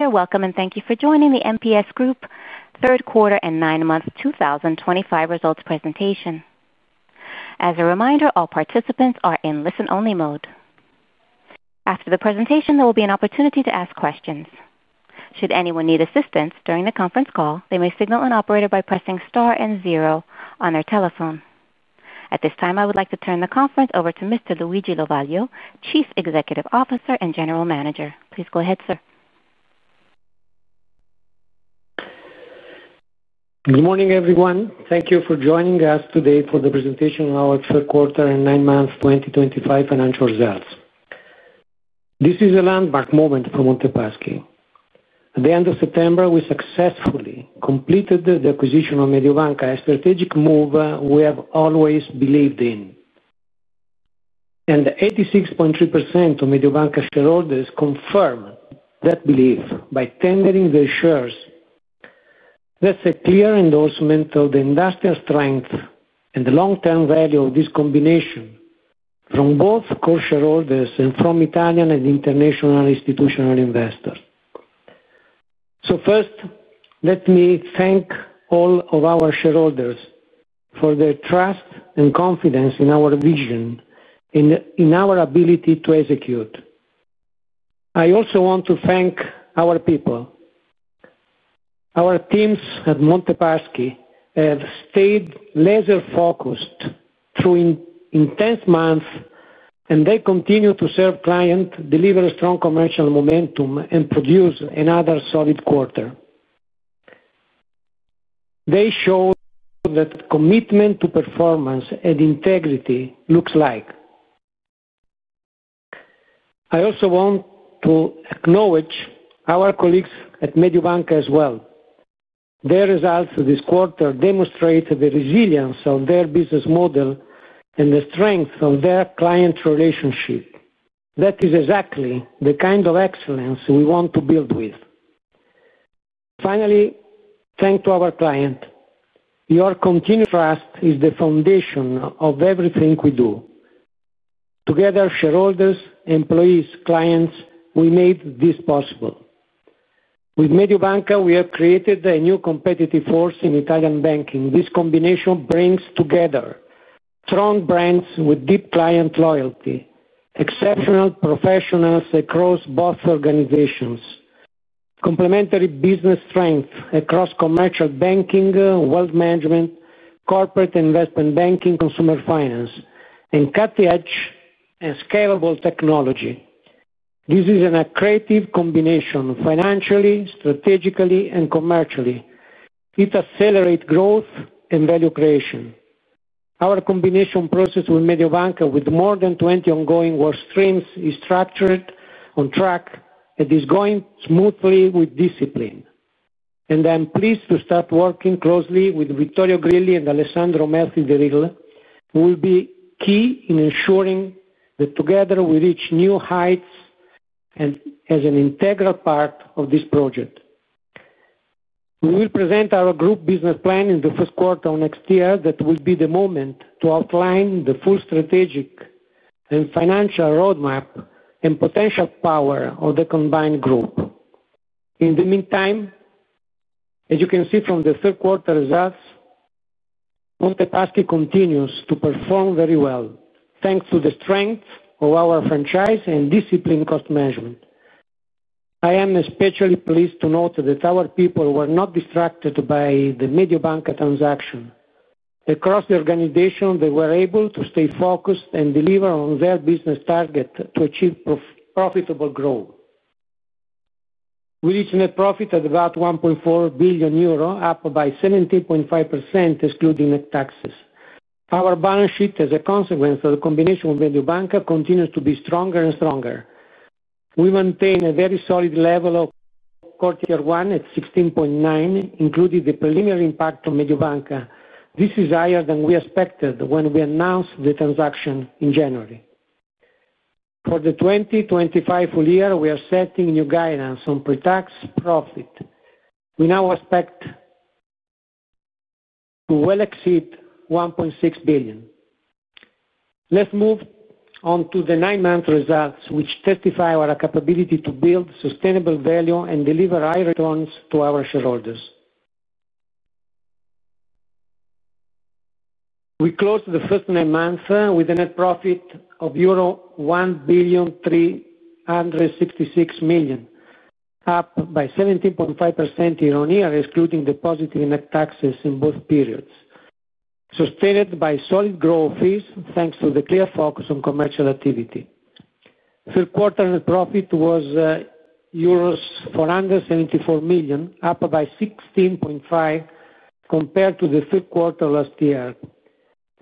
You're welcome, and thank you for joining the MPS Group third quarter and nine-month 2025 results presentation. As a reminder, all participants are in listen-only mode. After the presentation, there will be an opportunity to ask questions. Should anyone need assistance during the conference call, they may signal an operator by pressing star and zero on their telephone. At this time, I would like to turn the conference over to Mr. Luigi Lovaglio, Chief Executive Officer and General Manager. Please go ahead, sir. Good morning, everyone. Thank you for joining us today for the presentation of our third quarter and nine-month 2025 financial results. This is a landmark moment for Monte Paschi. At the end of September, we successfully completed the acquisition of Mediobanca, a strategic move we have always believed in. 86.3% of Mediobanca shareholders confirm that belief by tendering their shares. That is a clear endorsement of the industrial strength and the long-term value of this combination from both core shareholders and from Italian and international institutional investors. First, let me thank all of our shareholders for their trust and confidence in our vision and in our ability to execute. I also want to thank our people. Our teams at Monte Paschi have stayed laser-focused through intense months, and they continue to serve clients, deliver strong commercial momentum, and produce another solid quarter. They show what commitment to performance and integrity looks like. I also want to acknowledge our colleagues at Mediobanca as well. Their results this quarter demonstrate the resilience of their business model and the strength of their client relationship. That is exactly the kind of excellence we want to build with. Finally, thanks to our client. Your continued trust is the foundation of everything we do. Together, shareholders, employees, clients, we made this possible. With Mediobanca, we have created a new competitive force in Italian banking. This combination brings together strong brands with deep client loyalty, exceptional professionals across both organizations, complementary business strength across commercial banking, wealth management, corporate investment banking, consumer finance, and cutting-edge and scalable technology. This is a creative combination financially, strategically, and commercially. It accelerates growth and value creation. Our combination process with Mediobanca, with more than 20 ongoing work streams, is structured, on track, and is going smoothly with discipline. I am pleased to start working closely with Vittorio Grilli and Alessandro Melfi di Riga, who will be key in ensuring that together we reach new heights and as an integral part of this project. We will present our group business plan in the first quarter of next year. That will be the moment to outline the full strategic and financial roadmap and potential power of the combined group. In the meantime, as you can see from the third quarter results, Monte Paschi continues to perform very well, thanks to the strength of our franchise and disciplined cost management. I am especially pleased to note that our people were not distracted by the Mediobanca transaction. Across the organization, they were able to stay focused and deliver on their business target to achieve profitable growth. We reached net profit at about 1.4 billion euro, up by 17.5% excluding taxes. Our balance sheet, as a consequence of the combination with Mediobanca, continues to be stronger and stronger. We maintain a very solid level of CET1 ratio at 16.9%, including the preliminary impact on Mediobanca. This is higher than we expected when we announced the transaction in January. For the 2025 full year, we are setting new guidance on pre-tax profit. We now expect to well exceed 1.6 billion. Let's move on to the nine-month results, which testify our capability to build sustainable value and deliver high returns to our shareholders. We closed the first nine months with a net profit of euro 1,366 million, up by 17.5% year-on-year, excluding depositing net taxes in both periods. Sustained by solid growth, thanks to the clear focus on commercial activity. Third quarter net profit was euros 474 million, up by 16.5% compared to the third quarter last year,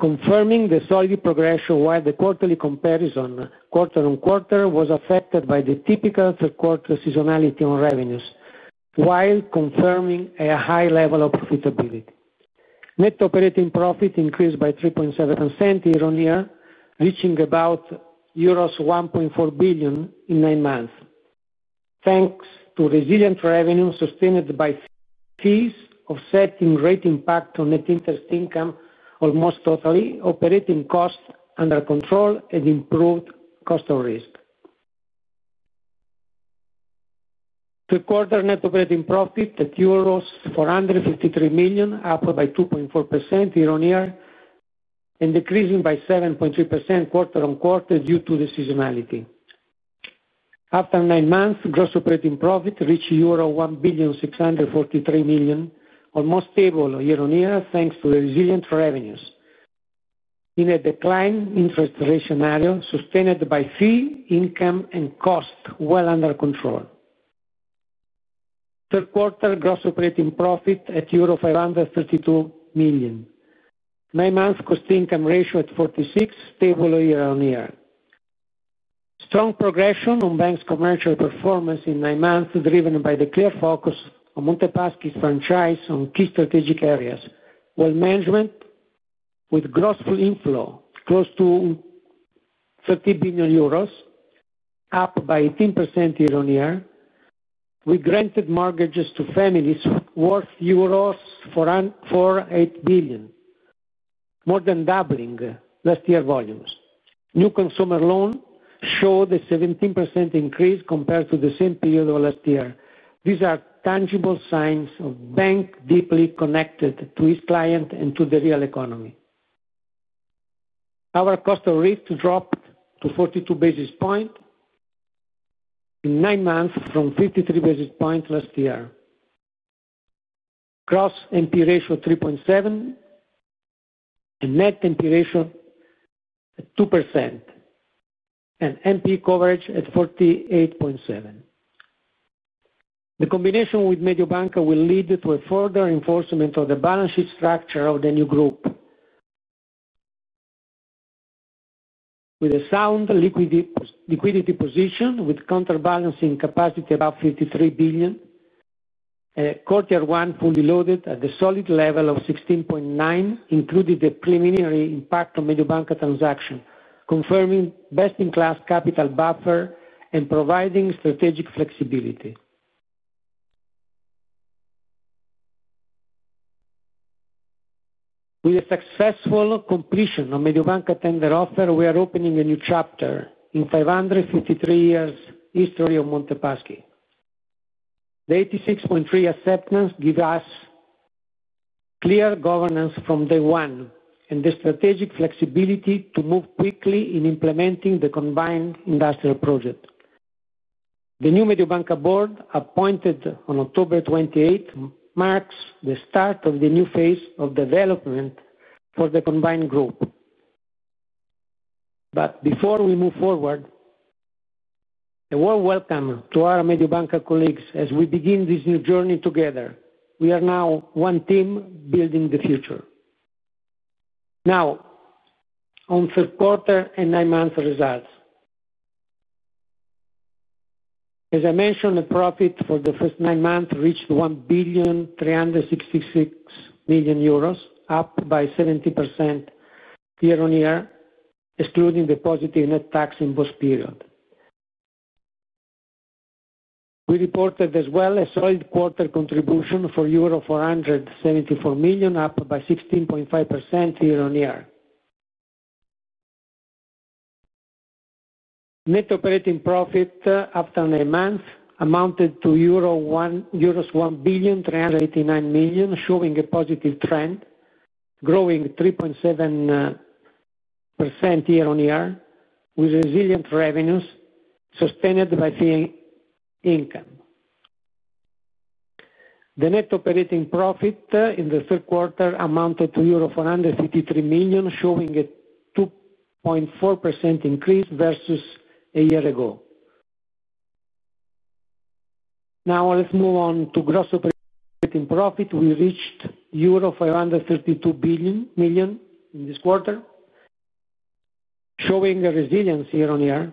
confirming the solid progression while the quarterly comparison, quarter on quarter, was affected by the typical third quarter seasonality on revenues, while confirming a high level of profitability. Net operating profit increased by 3.7% year-on-year, reaching about euros 1.4 billion in nine months, thanks to resilient revenue sustained by fees offsetting rate impact on net interest income almost totally, operating cost under control, and improved cost of risk. Third quarter net operating profit at euros 453 million, up by 2.4% year-on-year, and decreasing by 7.3% quarter on quarter due to the seasonality. After nine months, gross operating profit reached euro 1,643 million, almost stable year-on-year, thanks to the resilient revenues. In a declining interest rate scenario, sustained by fee, income, and cost well under control. Third quarter gross operating profit at euro 532 million. Nine-month cost-to-income ratio at 46%, stable year-on-year. Strong progression on bank's commercial performance in nine months, driven by the clear focus on Monte Paschi's franchise on key strategic areas. Wealth management with gross flow inflow close to 30 billion euros, up by 18% year-on-year. We granted mortgages to families worth 48 billion euros, more than doubling last year's volumes. New consumer loan showed a 17% increase compared to the same period of last year. These are tangible signs of bank deeply connected to its client and to the real economy. Our cost of risk dropped to 42 basis points in nine months, from 53 basis points last year. Gross NP ratio 3.7%, net NP ratio 2%, and NP coverage at 48.7%. The combination with Mediobanca will lead to a further enforcement of the balance sheet structure of the new group, with a sound liquidity position with counterbalancing capacity of 53 billion. Quarter one fully loaded at the solid level of 16.9%, including the preliminary impact on Mediobanca transaction, confirming best-in-class capital buffer and providing strategic flexibility. With the successful completion of Mediobanca tender offer, we are opening a new chapter in 553 years' history of Monte Paschi. The 86.3% acceptance gives us clear governance from day one and the strategic flexibility to move quickly in implementing the combined industrial project. The new Mediobanca board appointed on October 28 marks the start of the new phase of development for the combined group. Before we move forward, a warm welcome to our Mediobanca colleagues as we begin this new journey together. We are now one team building the future. Now, on third quarter and nine-month results, as I mentioned, the profit for the first nine months reached 1,366 million euros, up by 70% year-on-year, excluding depositing net tax in both periods. We reported as well a solid quarter contribution for euro 474 million, up by 16.5% year-on-year. Net operating profit after nine months amounted to 1,389 million euros, showing a positive trend, growing 3.7% year-on-year with resilient revenues sustained by fee income. The net operating profit in the third quarter amounted to euro 453 million, showing a 2.4% increase versus a year ago. Now, let's move on to gross operating profit. We reached euro 532 million in this quarter, showing a resilience year-on-year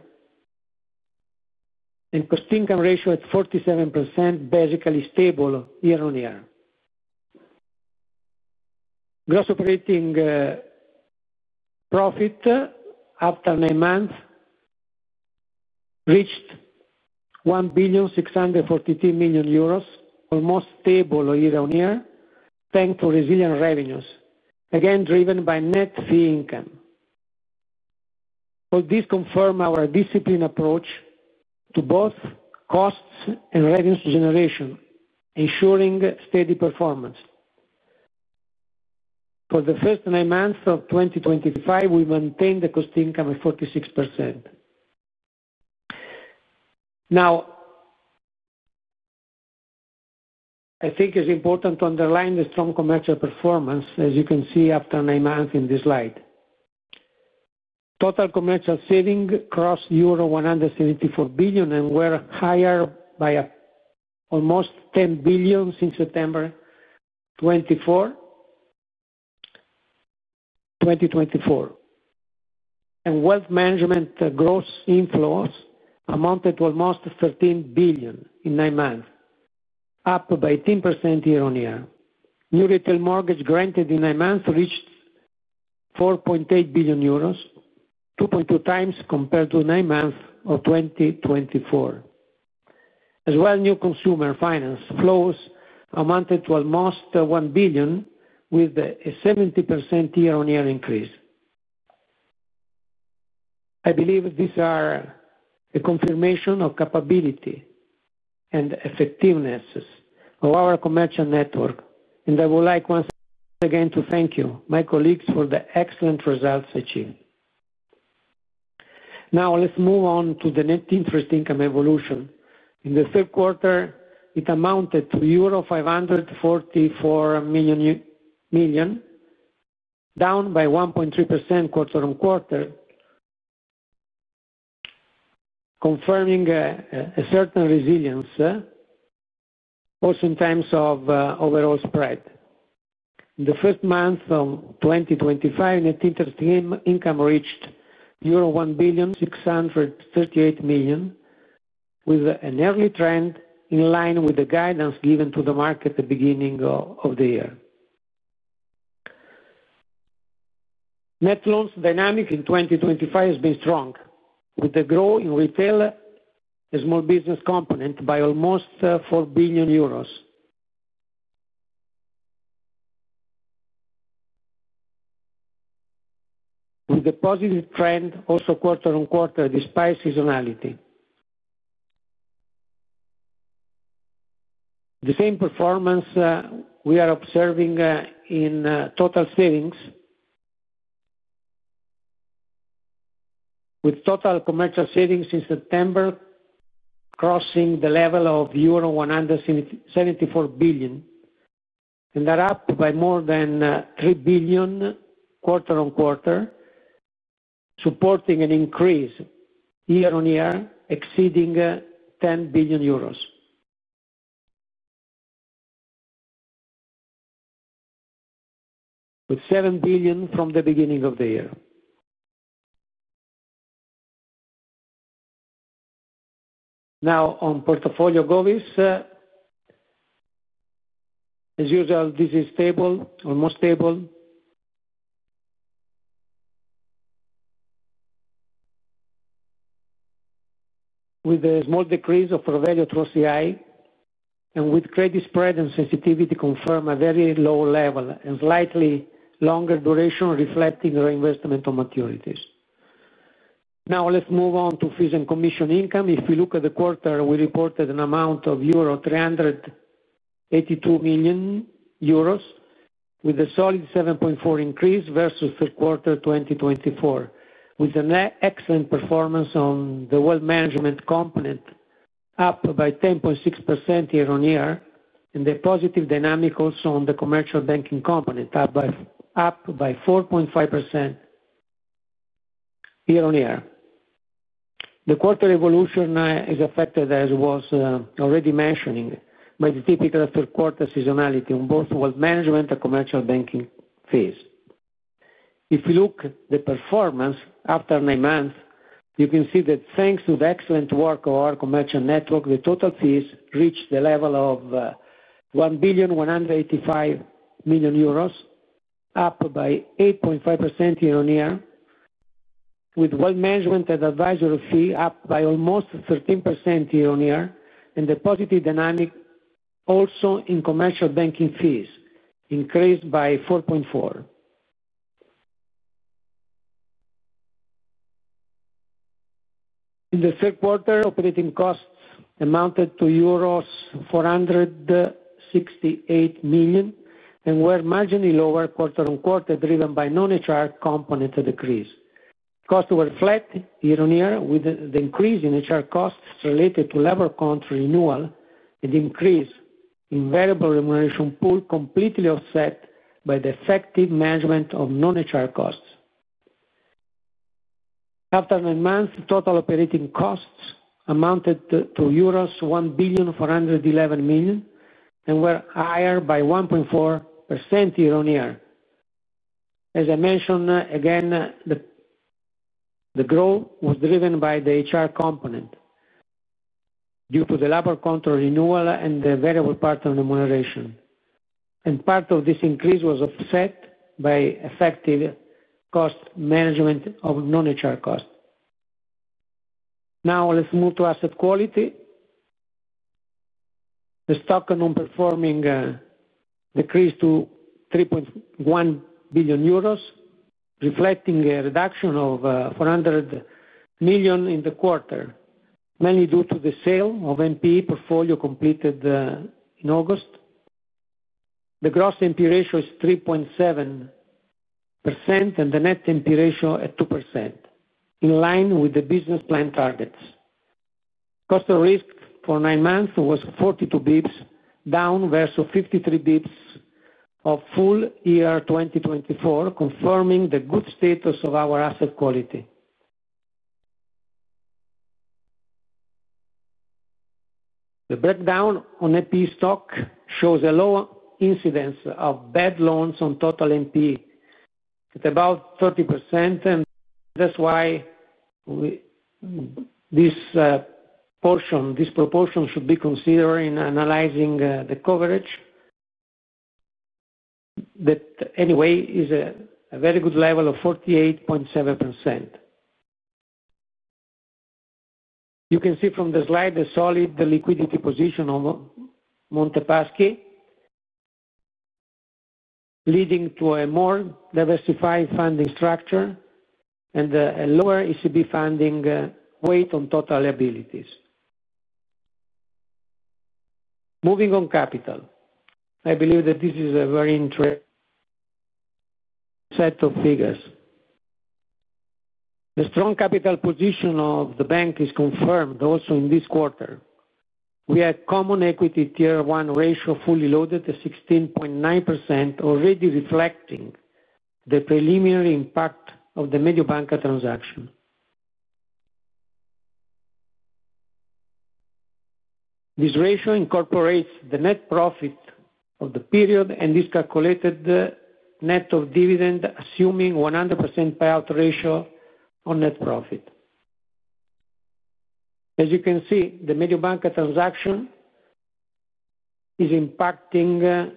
and cost-to-income ratio at 47%, basically stable year-on-year. Gross operating profit after nine months reached EUR 1,643 million, almost stable year-on-year, thanks to resilient revenues, again driven by net fee income. This confirms our disciplined approach to both costs and revenues generation, ensuring steady performance. For the first nine months of 2025, we maintained the cost-to-income at 46%. I think it's important to underline the strong commercial performance, as you can see after nine months in this slide. Total commercial savings crossed euro 174 billion and were higher by almost 10 billion since September 24, 2024. Wealth management gross inflows amounted to almost 13 billion in nine months, up by 18% year-on-year. New retail mortgage granted in nine months reached 4.8 billion euros, 2.2x compared to nine months of 2024. As well, new consumer finance flows amounted to almost 1 billion, with a 70% year-on-year increase. I believe these are a confirmation of capability and effectiveness of our commercial network, and I would like once again to thank you, my colleagues, for the excellent results achieved. Now, let's move on to the net interest income evolution. In the third quarter, it amounted to euro 544 million, down by 1.3% quarter on quarter, confirming a certain resilience, both in terms of overall spread. The first month of 2025, net interest income reached euro 1,638 million, with an early trend in line with the guidance given to the market at the beginning of the year. Net loans dynamic in 2025 has been strong, with a growth in retail and small business component by almost 4 billion euros, with a positive trend also quarter on quarter despite seasonality. The same performance we are observing in total savings, with total commercial savings in September crossing the level of euro 174 billion, and they're up by more than 3 billion quarter on quarter, supporting an increase year-on-year exceeding EUR 10 billion, with 7 billion from the beginning of the year. Now, on portfolio goals, as usual, this is stable, almost stable, with a small decrease of revenue across the year, and with credit spread and sensitivity confirmed at a very low level and slightly longer duration reflecting reinvestment of maturities. Now, let's move on to fees and commission income. If we look at the quarter, we reported an amount of 382 million euros, with a solid 7.4% increase versus third quarter 2024, with an excellent performance on the wealth management component, up by 10.6% year-on-year, and a positive dynamic also on the commercial banking component, up by 4.5% year-on-year. The quarter evolution is affected, as I was already mentioning, by the typical third quarter seasonality on both wealth management and commercial banking fees. If we look at the performance after nine months, you can see that thanks to the excellent work of our commercial network, the total fees reached the level of 1,185 million euros, up by 8.5% year-on-year, with wealth management and advisory fee up by almost 13% year-on-year, and the positive dynamic also in commercial banking fees increased by 4.4%. In the third quarter, operating costs amounted to euros 468 million and were marginally lower quarter on quarter, driven by non-HR component decrease. Costs were flat year-on-year, with the increase in HR costs related to labor contract renewal and increase in variable remuneration pool completely offset by the effective management of non-HR costs. After nine months, total operating costs amounted to euros 1,411 million and were higher by 1.4% year-on-year. As I mentioned again, the growth was driven by the HR component due to the labor contract renewal and the variable part remuneration, and part of this increase was offset by effective cost management of non-HR costs. Now, let's move to asset quality. The stock non-performing decreased to 3.1 billion euros, reflecting a reduction of 400 million in the quarter, mainly due to the sale of NP portfolio completed in August. The gross NP ratio is 3.7%, and the net NP ratio at 2%, in line with the business plan targets. Cost of risk for nine months was 42 basis points, down versus 53 basis points of full year 2024, confirming the good status of our asset quality. The breakdown on NP stock shows a low incidence of bad loans on total NP at about 30%, and that's why this portion, this proportion should be considered in analyzing the coverage. Anyway, it's a very good level of 48.7%. You can see from the slide the solid liquidity position of Monte Paschi, leading to a more diversified funding structure and a lower ECB funding weight on total liabilities. Moving on capital, I believe that this is a very interesting set of figures. The strong capital position of the bank is confirmed also in this quarter. We had common equity tier one ratio fully loaded at 16.9%, already reflecting the preliminary impact of the Mediobanca transaction. This ratio incorporates the net profit of the period and is calculated net of dividend, assuming 100% payout ratio on net profit. As you can see, the Mediobanca transaction is impacting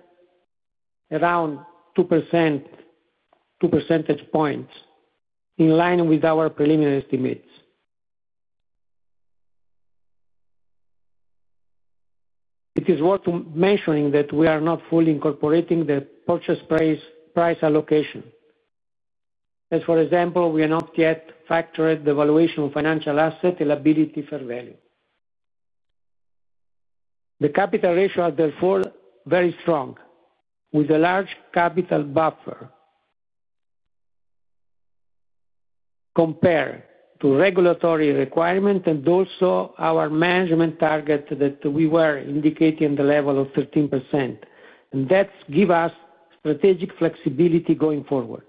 around 2%, 2 percentage points, in line with our preliminary estimates. It is worth mentioning that we are not fully incorporating the purchase price allocation. As for example, we have not yet factored the valuation of financial asset and liability fair value. The capital ratio is therefore very strong, with a large capital buffer compared to regulatory requirements and also our management target that we were indicating at the level of 13%, and that gives us strategic flexibility going forward.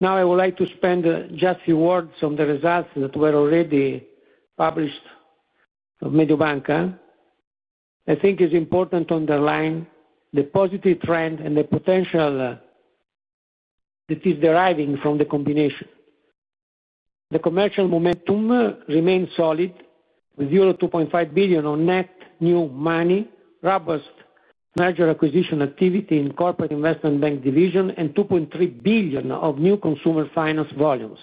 Now, I would like to spend just a few words on the results that were already published of Mediobanca. I think it's important to underline the positive trend and the potential that is deriving from the combination. The commercial momentum remains solid, with euro 2.5 billion of net new money, robust merger acquisition activity in corporate investment bank division, and 2.3 billion of new consumer finance volumes,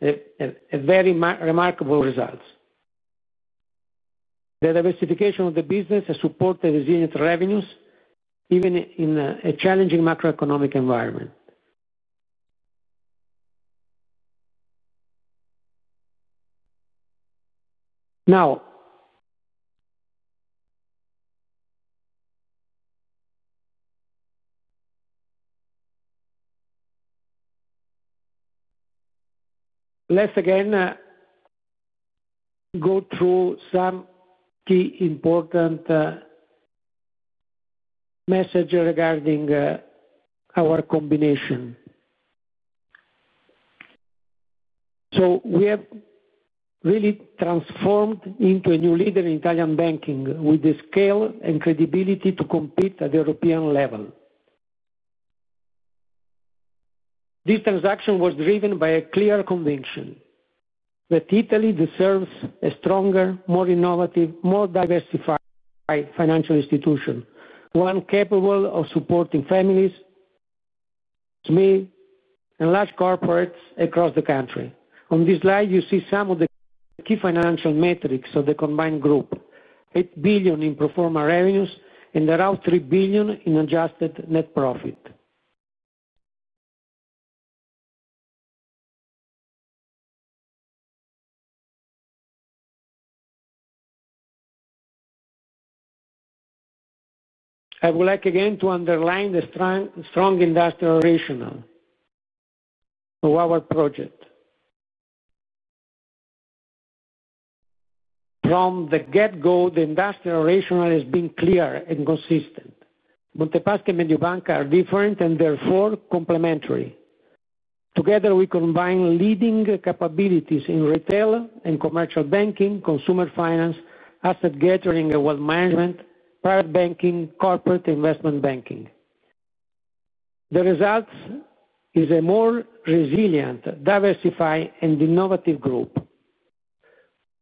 very remarkable results. The diversification of the business has supported resilient revenues, even in a challenging macroeconomic environment. Now, let's again go through some key important messages regarding our combination. We have really transformed into a new leader in Italian banking with the scale and credibility to compete at the European level. This transaction was driven by a clear conviction that Italy deserves a stronger, more innovative, more diversified financial institution, one capable of supporting families, small and large corporates across the country. On this slide, you see some of the key financial metrics of the combined group: 8 billion in performance revenues and around 3 billion in adjusted net profit. I would like again to underline the strong industrial rationale for our project. From the get-go, the industrial rationale has been clear and consistent. Monte Paschi and Mediobanca are different and therefore complementary. Together, we combine leading capabilities in retail and commercial banking, consumer finance, asset gathering and wealth management, private banking, corporate investment banking. The result is a more resilient, diversified, and innovative group,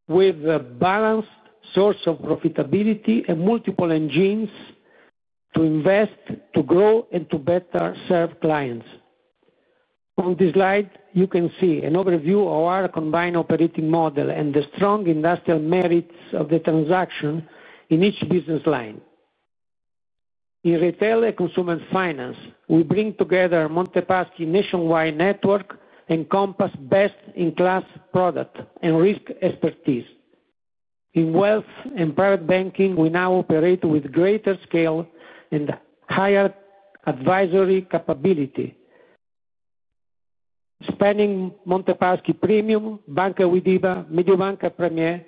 with a balanced source of profitability and multiple engines to invest, to grow, and to better serve clients. On this slide, you can see an overview of our combined operating model and the strong industrial merits of the transaction in each business line. In retail and consumer finance, we bring together Monte Paschi's nationwide network and Compass best-in-class product and risk expertise. In wealth and private banking, we now operate with greater scale and higher advisory capability, spanning Monte Paschi Premium, Banca Mediobanca Premiere,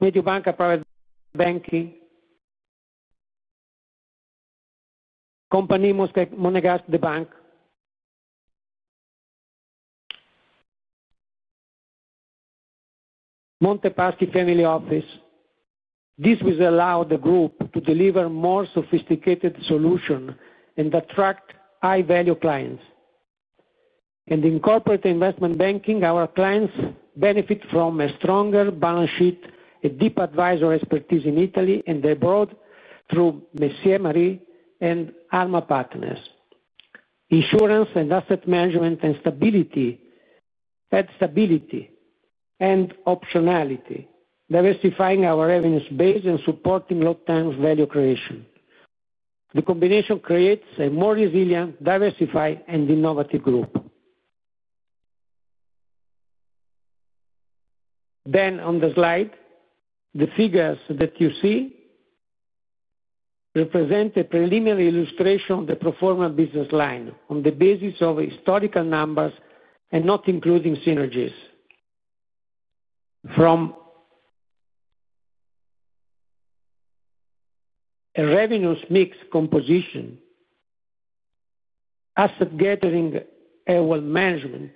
Mediobanca Private Banking, Compagnie Monégasque de Banque, Monte Paschi Family Office. This will allow the group to deliver more sophisticated solutions and attract high-value clients. In corporate investment banking, our clients benefit from a stronger balance sheet, a deep advisory expertise in Italy and abroad through Messier & Associés and Alma Partners. Insurance and asset management and stability, add stability and optionality, diversifying our revenue base and supporting long-term value creation. The combination creates a more resilient, diversified, and innovative group. On the slide, the figures that you see represent a preliminary illustration of the proforma business line on the basis of historical numbers and not including synergies. From a revenues mix composition, asset gathering and wealth management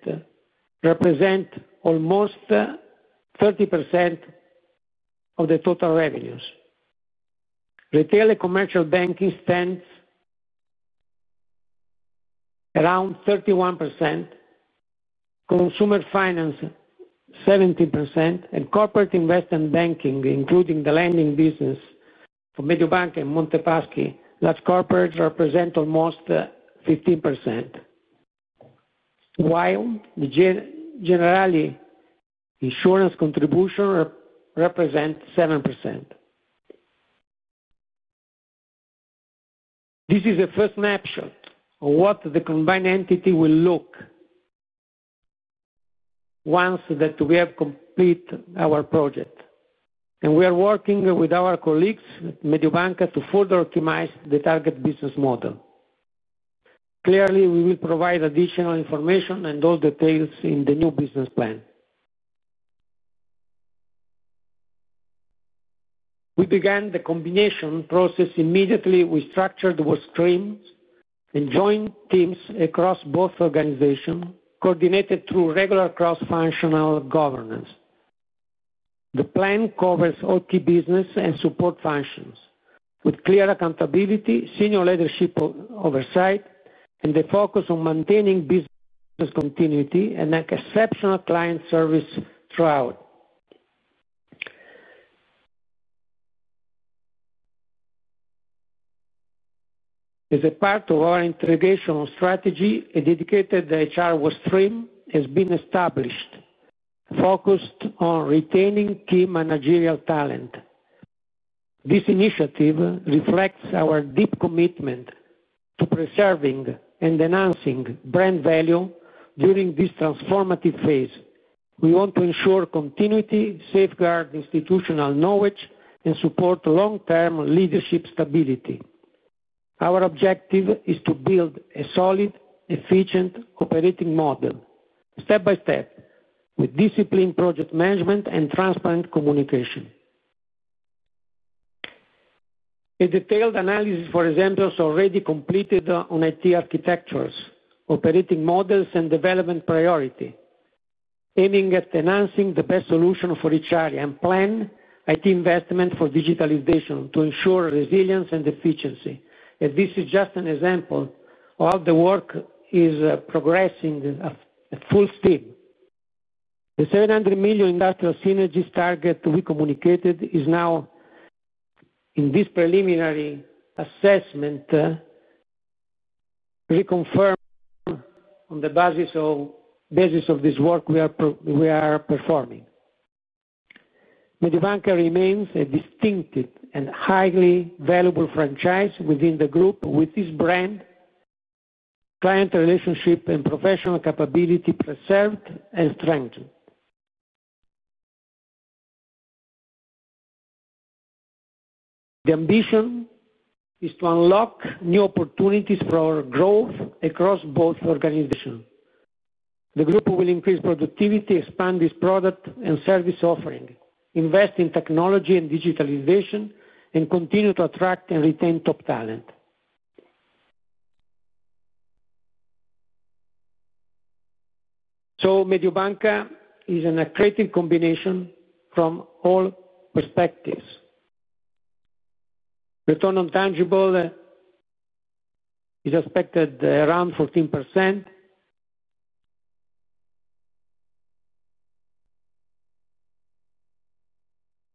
represent almost 30% of the total revenues. Retail and commercial banking stands around 31%, consumer finance 17%, and corporate investment banking, including the lending business for Mediobanca and Monte Paschi large corporations, represent almost 15%, while the Generali insurance contribution represents 7%. This is a first snapshot of what the combined entity will look like once we have completed our project, and we are working with our colleagues at Mediobanca to further optimize the target business model. Clearly, we will provide additional information and those details in the new business plan. We began the combination process immediately with structured work streams and joined teams across both organizations, coordinated through regular cross-functional governance. The plan covers OT business and support functions, with clear accountability, senior leadership oversight, and the focus on maintaining business continuity and exceptional client service throughout. As a part of our integration strategy, a dedicated HR work stream has been established, focused on retaining key managerial talent. This initiative reflects our deep commitment to preserving and enhancing brand value during this transformative phase. We want to ensure continuity, safeguard institutional knowledge, and support long-term leadership stability. Our objective is to build a solid, efficient operating model, step by step, with disciplined project management and transparent communication. A detailed analysis for examples already completed on IT architectures, operating models, and development priority, aiming at enhancing the best solution for each area and plan IT investment for digitalization to ensure resilience and efficiency. This is just an example of how the work is progressing at full steam. The 700 million industrial synergies target we communicated is now in this preliminary assessment, reconfirmed on the basis of this work we are performing. Mediobanca remains a distinctive and highly valuable franchise within the group, with this brand, client relationship, and professional capability preserved and strengthened. The ambition is to unlock new opportunities for our growth across both organizations. The group will increase productivity, expand its product and service offering, invest in technology and digitalization, and continue to attract and retain top talent. Mediobanca is an accretive combination from all perspectives. Return on tangible is expected around 14%.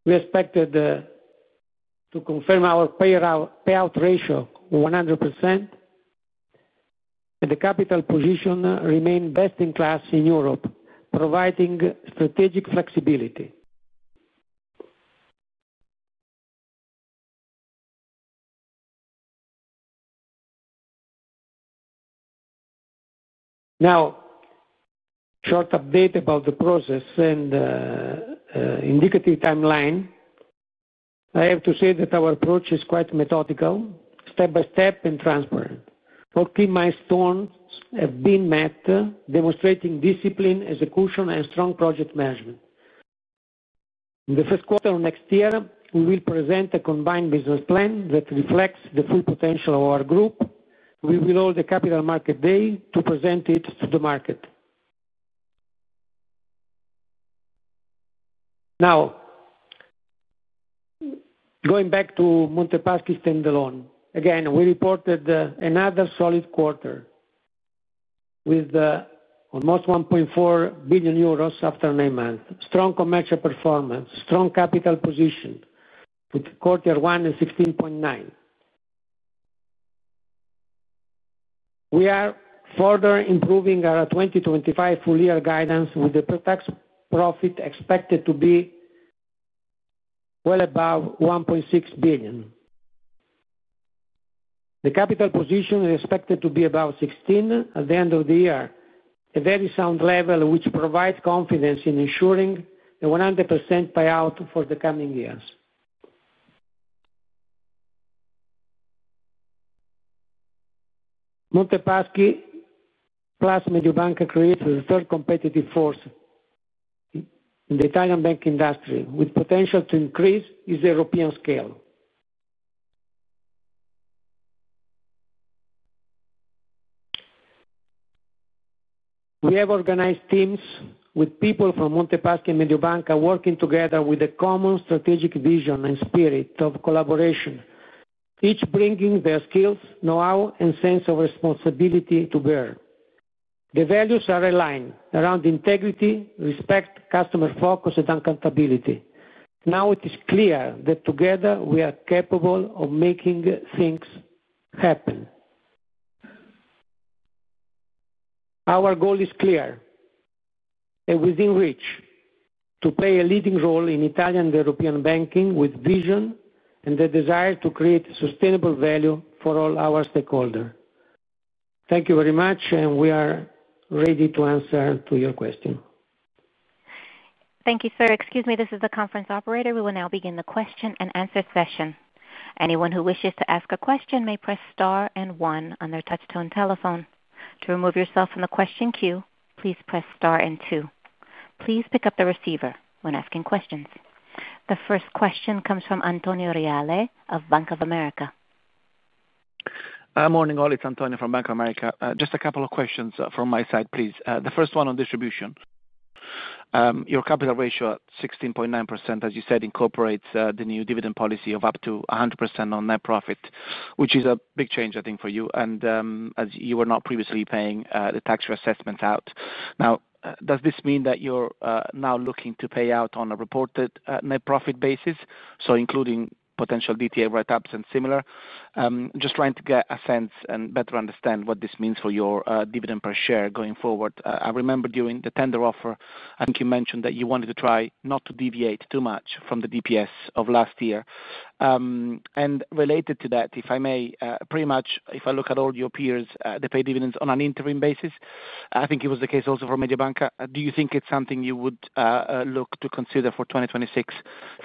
We expected to confirm our payout ratio of 100%, and the capital position remains best in class in Europe, providing strategic flexibility. Now, short update about the process and indicative timeline. I have to say that our approach is quite methodical, step by step, and transparent. All milestones have been met, demonstrating discipline, execution, and strong project management. In the first quarter of next year, we will present a combined business plan that reflects the full potential of our group. We will hold a capital market day to present it to the market. Now, going back to Monte Paschi standalone, again, we reported another solid quarter with almost 1.4 billion euros after nine months, strong commercial performance, strong capital position with quarter one at 16.9%. We are further improving our 2025 full year guidance with the pre tax profit expected to be well above 1.6 billion. The capital position is expected to be above 16% at the end of the year, a very sound level which provides confidence in ensuring a 100% payout for the coming years. Monte Paschi plus Mediobanca creates a third competitive force in the Italian banking industry with potential to increase its European scale. We have organized teams with people from Monte Paschi and Mediobanca working together with a common strategic vision and spirit of collaboration, each bringing their skills, know-how, and sense of responsibility to bear. The values are aligned around integrity, respect, customer focus, and accountability. Now it is clear that together we are capable of making things happen. Our goal is clear and within reach to play a leading role in Italian and European banking with vision and the desire to create sustainable value for all our stakeholders. Thank you very much, and we are ready to answer your question. Thank you, sir. Excuse me, this is the conference operator. We will now begin the question and answer session. Anyone who wishes to ask a question may press star and one on their touch-tone telephone. To remove yourself from the question queue, please press star and two. Please pick up the receiver when asking questions. The first question comes from Antonio Reale of Bank of America. Good morning, all. It's Antonio from Bank of America. Just a couple of questions from my side, please. The first one on distribution. Your capital ratio at 16.9%, as you said, incorporates the new dividend policy of up to 100% on net profit, which is a big change, I think, for you. As you were not previously paying the tax reassessments out. Now, does this mean that you're now looking to pay out on a reported net profit basis, so including potential DTA write-ups and similar? Just trying to get a sense and better understand what this means for your dividend per share going forward. I remember during the tender offer, I think you mentioned that you wanted to try not to deviate too much from the DPS of last year. Related to that, if I may, pretty much, if I look at all your peers, they pay dividends on an interim basis. I think it was the case also for Mediobanca. Do you think it's something you would look to consider for 2026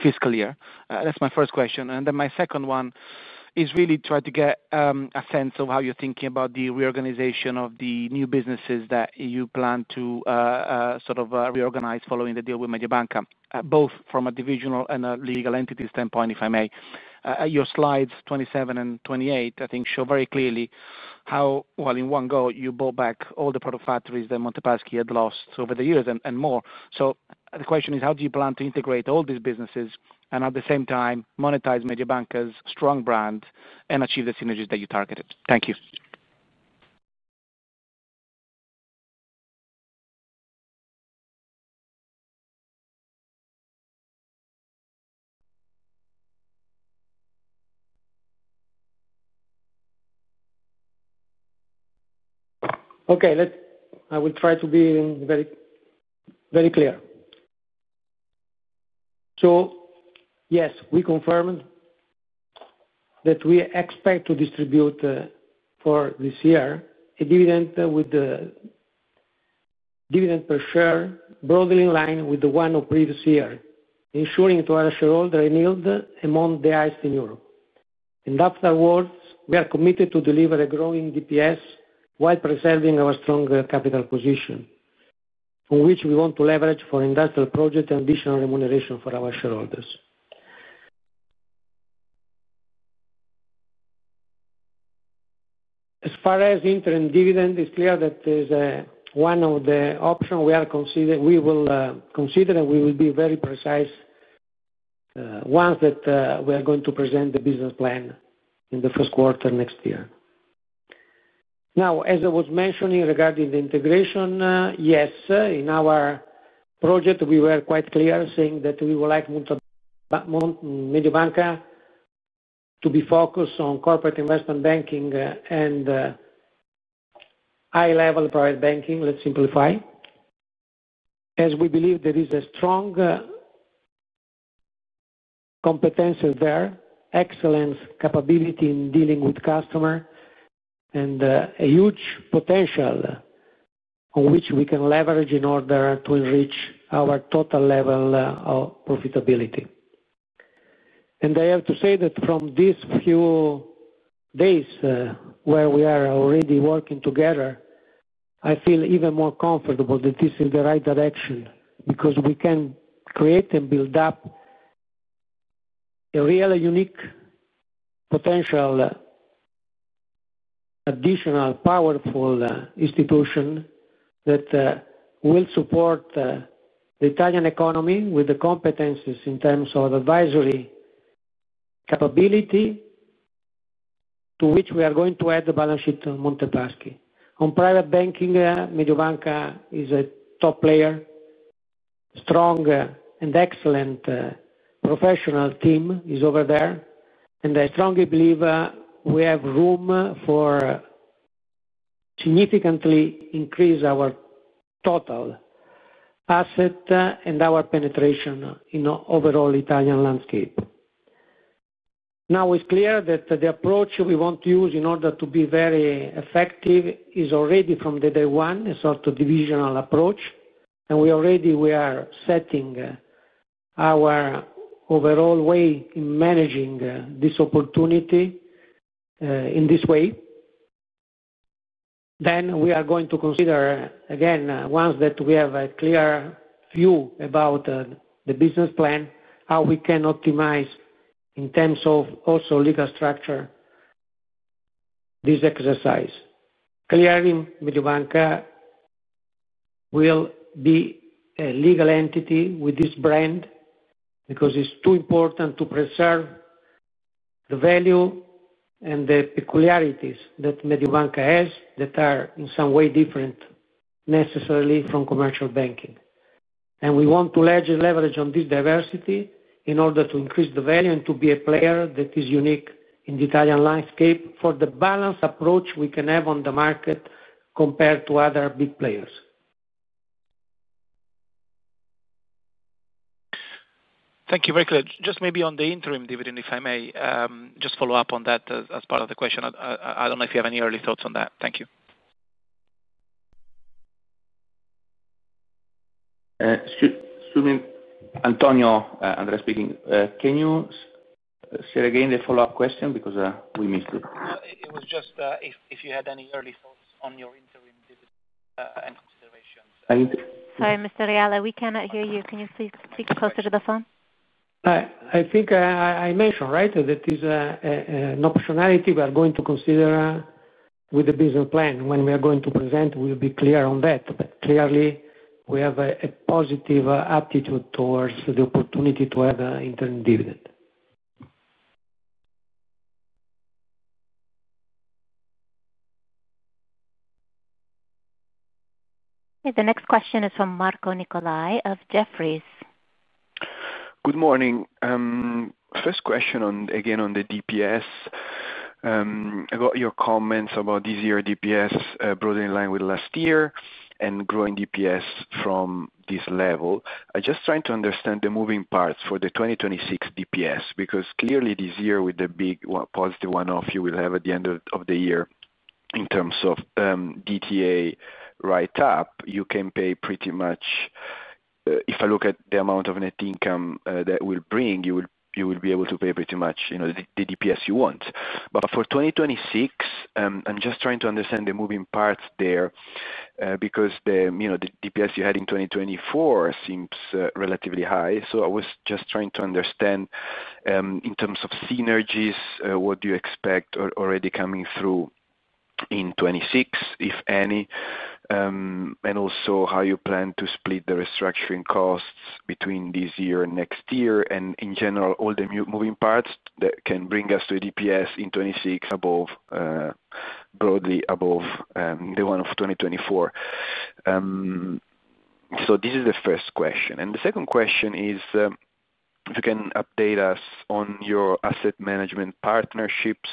fiscal year? That's my first question. Then my second one is really trying to get a sense of how you're thinking about the reorganization of the new businesses that you plan to sort of reorganize following the deal with Mediobanca, both from a divisional and a legal entity standpoint, if I may. Your slides 27 and 28, I think, show very clearly how, in one go, you bought back all the product factories that Monte Paschi had lost over the years and more. The question is, how do you plan to integrate all these businesses and, at the same time, monetize Mediobanca's strong brand and achieve the synergies that you targeted? Thank you. Okay, I will try to be very clear. Yes, we confirmed that we expect to distribute for this year a dividend per share broadly in line with the one of previous year, ensuring to our shareholder a yield among the highest in Europe. Afterwards, we are committed to deliver a growing DPS while preserving our strong capital position, from which we want to leverage for industrial projects and additional remuneration for our shareholders. As far as interim dividend, it is clear that it is one of the options we will consider, and we will be very precise once that we are going to present the business plan in the first quarter next year. As I was mentioning regarding the integration, yes, in our project, we were quite clear saying that we would like Mediobanca to be focused on corporate investment banking and high-level private banking, let's simplify. As we believe there is a strong competence there, excellent capability in dealing with customers, and a huge potential on which we can leverage in order to enrich our total level of profitability. I have to say that from these few days where we are already working together, I feel even more comfortable that this is the right direction because we can create and build up a real and unique potential, additional, powerful institution that will support the Italian economy with the competencies in terms of advisory capability, to which we are going to add the balance sheet of Monte Paschi. On private banking, Mediobanca is a top player, strong and excellent professional team is over there. I strongly believe we have room for significantly increasing our total asset and our penetration in the overall Italian landscape. Now, it's clear that the approach we want to use in order to be very effective is already from day one, a sort of divisional approach. We already are setting our overall way in managing this opportunity in this way. We are going to consider, again, once we have a clear view about the business plan, how we can optimize in terms of also legal structure this exercise. Clearly, Mediobanca will be a legal entity with this brand because it's too important to preserve the value and the peculiarities that Mediobanca has that are in some way different necessarily from commercial banking. We want to leverage on this diversity in order to increase the value and to be a player that is unique in the Italian landscape for the balanced approach we can have on the market compared to other big players. Thank you, very clear. Just maybe on the interim dividend, if I may, just follow up on that as part of the question. I do not know if you have any early thoughts on that. Thank you. Assuming Antonio, Andrea speaking, can you say again the follow-up question because we missed it? It was just if you had any early thoughts on your interim dividend and considerations. Sorry, Mr. Reale, we cannot hear you. Can you please speak closer to the phone? I think I mentioned, right, that it is an optionality we are going to consider with the business plan. When we are going to present, we will be clear on that. Clearly, we have a positive attitude towards the opportunity to have interim dividend. Okay, the next question is from Marco Nicolai of Jefferies. Good morning. First question, again, on the DPS. I got your comments about this year DPS broadly in line with last year and growing DPS from this level. I'm just trying to understand the moving parts for the 2026 DPS because clearly this year with the big positive one-off you will have at the end of the year in terms of DTA write-up, you can pay pretty much if I look at the amount of net income that will bring, you will be able to pay pretty much the DPS you want. For 2026, I'm just trying to understand the moving parts there because the DPS you had in 2024 seems relatively high. I was just trying to understand in terms of synergies, what do you expect already coming through in 2026, if any, and also how you plan to split the restructuring costs between this year and next year. In general, all the moving parts that can bring us to a DPS in 2026, broadly above the one of 2024. This is the first question. The second question is if you can update us on your asset management partnerships.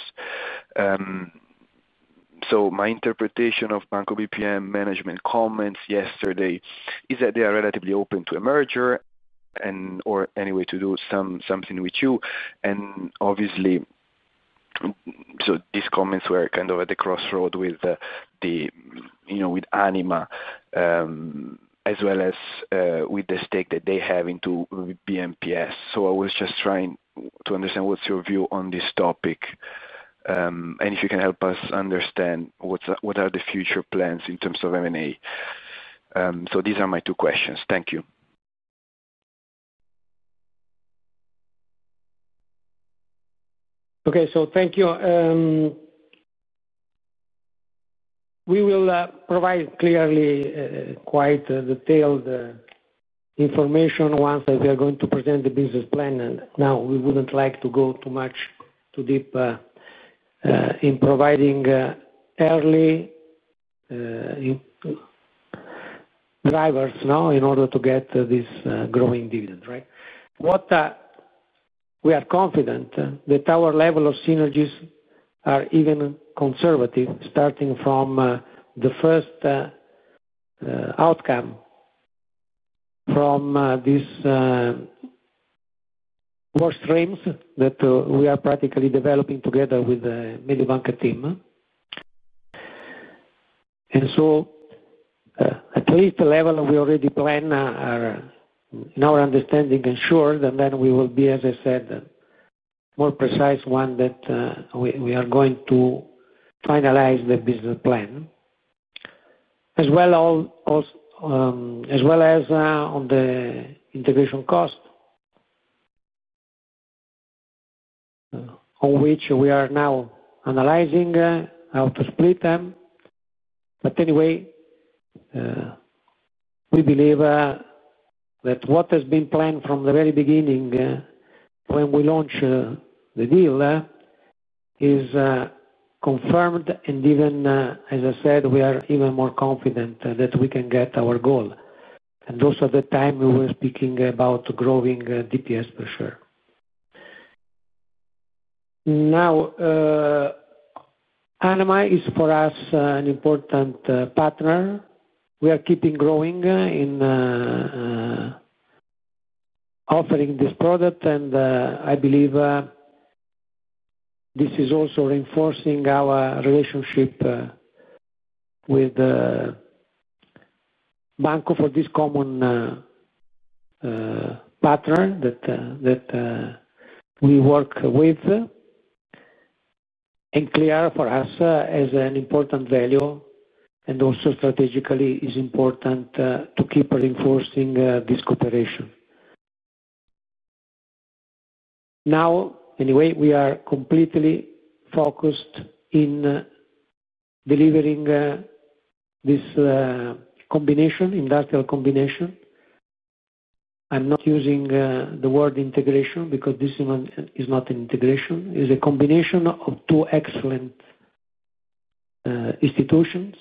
My interpretation of Banco BPM management comments yesterday is that they are relatively open to a merger and/or anyway to do something with you. Obviously, these comments were kind of at the crossroad with Anima as well as with the stake that they have into BMPS. I was just trying to understand what's your view on this topic and if you can help us understand what are the future plans in terms of M&A. These are my two questions. Thank you. Okay, thank you. We will provide clearly quite detailed information once that we are going to present the business plan. Now, we would not like to go too much too deep in providing early drivers in order to get this growing dividend, right? We are confident that our level of synergies are even conservative starting from the first outcome from these work streams that we are practically developing together with the Mediobanca team. At least the level we already plan are in our understanding ensured, and we will be, as I said, more precise once that we are going to finalize the business plan. As well as on the integration cost on which we are now analyzing how to split them. Anyway, we believe that what has been planned from the very beginning when we launch the deal is confirmed. Even, as I said, we are even more confident that we can get our goal. Those are the times we were speaking about growing DPS per share. Now, Anima is for us an important partner. We are keeping growing in offering this product, and I believe this is also reinforcing our relationship with Banco for this common pattern that we work with. It is clear for us as an important value and also strategically is important to keep reinforcing this cooperation. Anyway, we are completely focused in delivering this combination, industrial combination. I am not using the word integration because this is not an integration. It is a combination of two excellent institutions.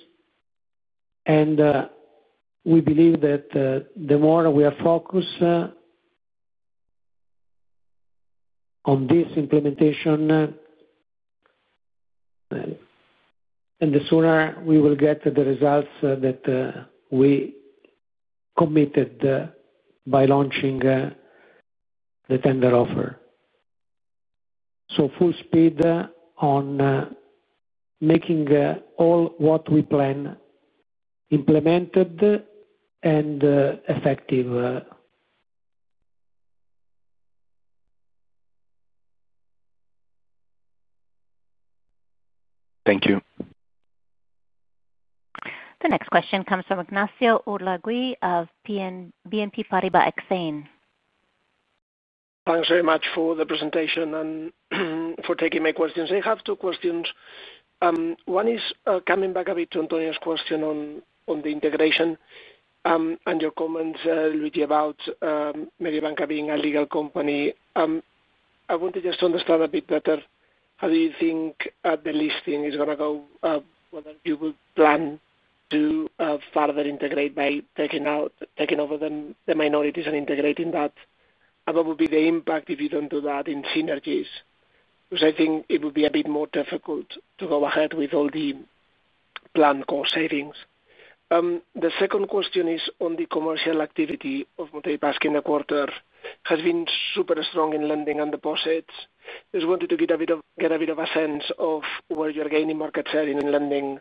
We believe that the more we are focused on this implementation, the sooner we will get the results that we committed by launching the tender offer. Full speed on making all what we plan implemented and effective. Thank you. The next question comes from Ignacio Urlaguy of BNP Paribas Exane. Thanks very much for the presentation and for taking my questions. I have two questions. One is coming back a bit to Antonio's question on the integration and your comments about Mediobanca being a legal company. I want to just understand a bit better how do you think the listing is going to go, whether you would plan to further integrate by taking over the minorities and integrating that, and what would be the impact if you do not do that in synergies? Because I think it would be a bit more difficult to go ahead with all the planned cost savings. The second question is on the commercial activity of Monte Paschi in the quarter. Has been super strong in lending and deposits. Just wanted to get a bit of a sense of where you're gaining market share in lending.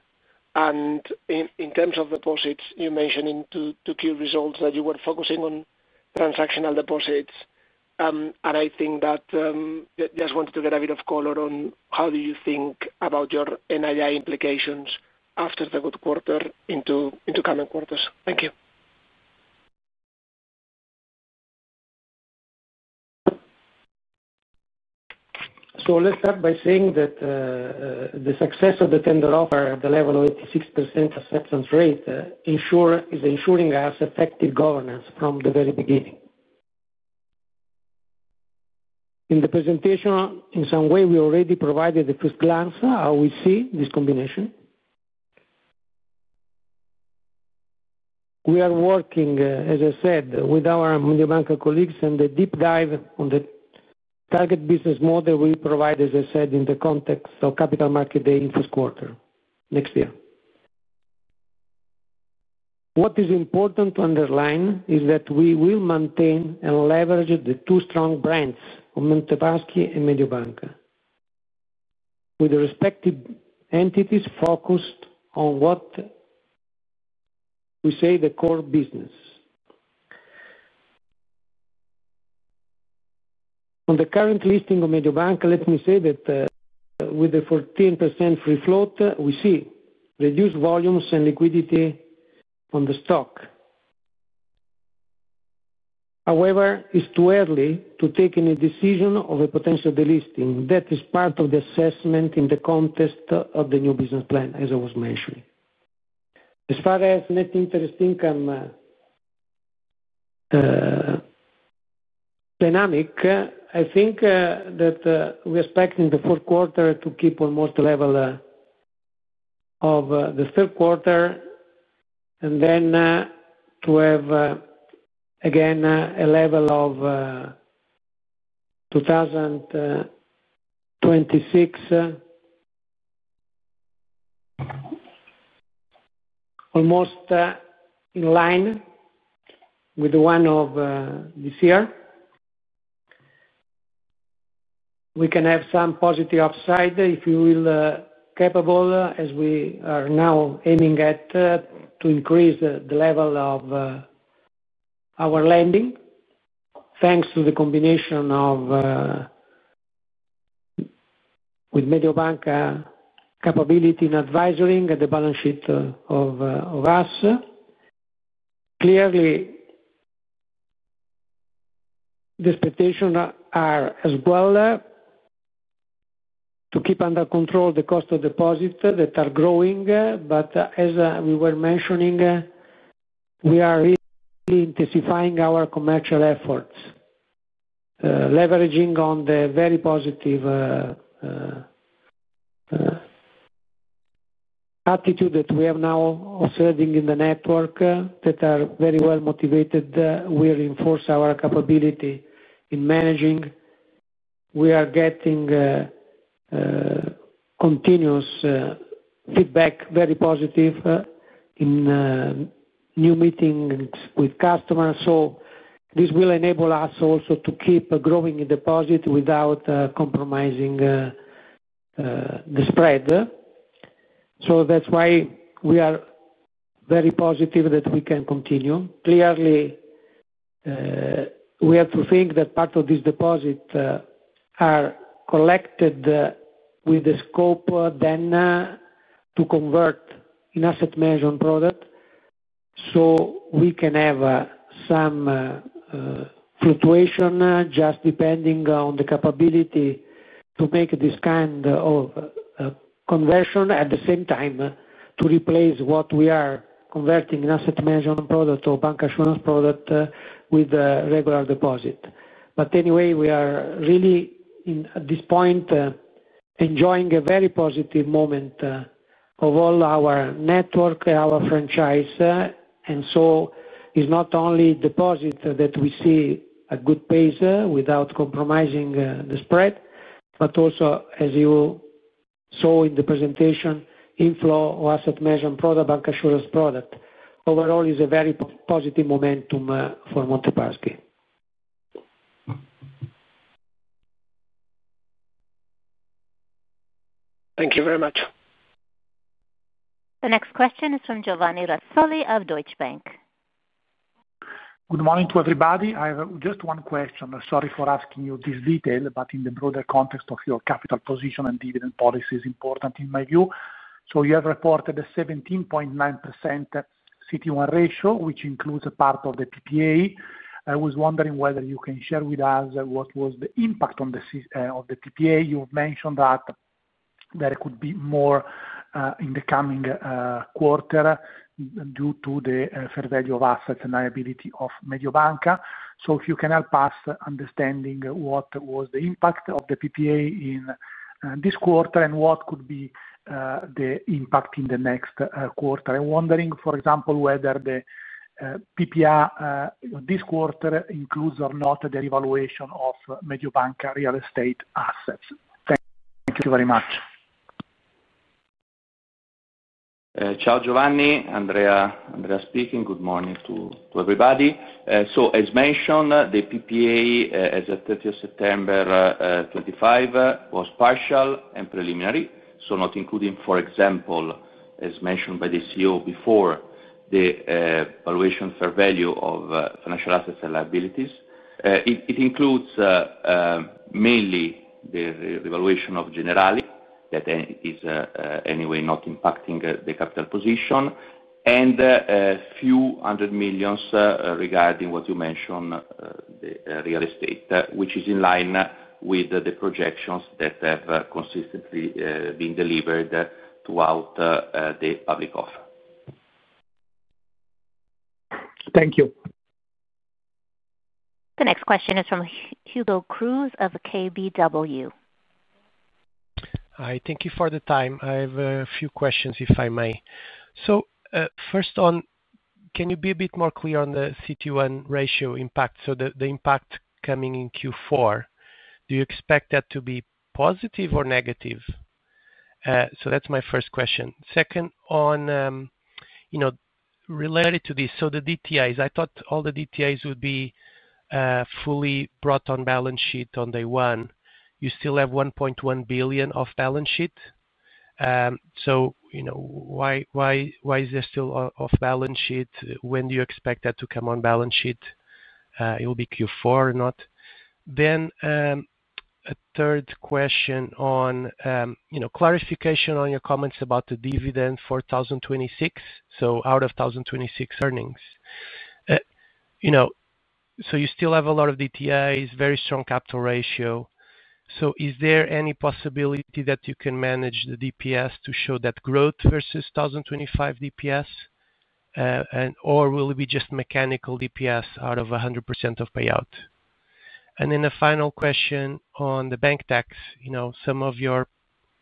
In terms of deposits, you mentioned in two key results that you were focusing on transactional deposits. I think that just wanted to get a bit of color on how do you think about your NII implications after the good quarter into coming quarters. Thank you. Let's start by saying that the success of the tender offer at the level of 86% acceptance rate is ensuring us effective governance from the very beginning. In the presentation, in some way, we already provided a first glance how we see this combination. We are working, as I said, with our Mediobanca colleagues and the deep dive on the target business model we provided, as I said, in the context of capital market day in first quarter next year. What is important to underline is that we will maintain and leverage the two strong brands of Monte Paschi and Mediobanca with the respective entities focused on what we say the core business. On the current listing of Mediobanca, let me say that with the 14% free float, we see reduced volumes and liquidity on the stock. However, it's too early to take any decision of a potential delisting. That is part of the assessment in the context of the new business plan, as I was mentioning. As far as net interest income dynamic, I think that we're expecting the fourth quarter to keep almost level of the third quarter and then to have again a level of 2026 almost in line with the one of this year. We can have some positive upside if we will be capable, as we are now aiming at, to increase the level of our lending thanks to the combination with Mediobanca capability and advisory at the balance sheet of us. Clearly, the expectations are as well to keep under control the cost of deposits that are growing. As we were mentioning, we are really intensifying our commercial efforts, leveraging on the very positive attitude that we are now observing in the network that are very well motivated. We reinforce our capability in managing. We are getting continuous feedback, very positive in new meetings with customers. This will enable us also to keep growing in deposit without compromising the spread. That is why we are very positive that we can continue. Clearly, we have to think that part of these deposits are collected with the scope then to convert in asset management product, so we can have some fluctuation just depending on the capability to make this kind of conversion, at the same time to replace what we are converting in asset management product or bank assurance product with regular deposit. Anyway, we are really at this point enjoying a very positive moment of all our network, our franchise. It is not only deposit that we see a good pace without compromising the spread, but also, as you saw in the presentation, inflow of asset management product, bank assurance product. Overall, it is a very positive momentum for Monte Paschi. Thank you very much. The next question is from Giovanni Razzoli of Deutsche Bank. Good morning to everybody. I have just one question. Sorry for asking you this detail, but in the broader context of your capital position and dividend policy is important in my view. You have reported a 17.9% CET1 ratio, which includes a part of the PPA. I was wondering whether you can share with us what was the impact on the PPA. You have mentioned that there could be more in the coming quarter due to the fair value of assets and liability of Mediobanca. If you can help us understanding what was the impact of the PPA in this quarter and what could be the impact in the next quarter. I am wondering, for example, whether the PPA this quarter includes or not the revaluation of Mediobanca real estate assets. Thank you very much. Ciao, Giovanni. Andrea speaking. Good morning to everybody. As mentioned, the PPA as of 30 September 2025 was partial and preliminary. Not including, for example, as mentioned by the CEO before, the valuation fair value of financial assets and liabilities. It includes mainly the revaluation of Generali that is anyway not impacting the capital position and a few hundred million regarding what you mentioned, the real estate, which is in line with the projections that have consistently been delivered throughout the public offer. Thank you. The next question is from Hugo Cruz of KBW. Hi. Thank you for the time. I have a few questions if I may. First, can you be a bit more clear on the CET1 ratio impact? The impact coming in Q4, do you expect that to be positive or negative? That is my first question. Second, related to this, the DTAs, I thought all the DTAs would be fully brought on balance sheet on day one. You still have 1.1 billion off balance sheet. Why is there still off balance sheet? When do you expect that to come on balance sheet? Will it be Q4 or not? A third question, clarification on your comments about the dividend for 2026. Out of 2026 earnings, you still have a lot of DTAs, very strong capital ratio. Is there any possibility that you can manage the DPS to show that growth versus 2025 DPS, or will it be just mechanical DPS out of 100% of payout? A final question on the bank tax. Some of your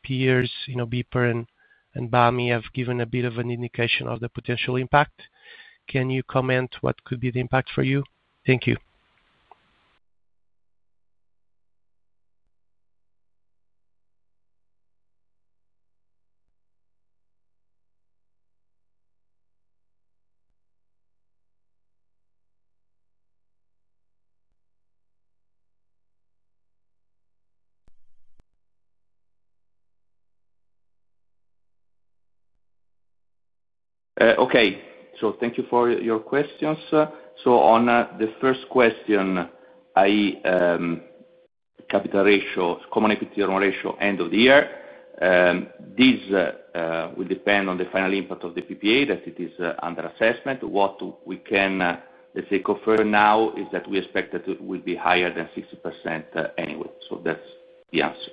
peers, Banco BPM and Banca Mediolanum, have given a bit of an indication of the potential impact. Can you comment what could be the impact for you? Thank you. Okay. Thank you for your questions. On the first question, capital ratio, common equity ratio end of the year, this will depend on the final impact of the PPA that it is under assessment. What we can, let's say, confer now is that we expect that it will be higher than 60% anyway. That is the answer.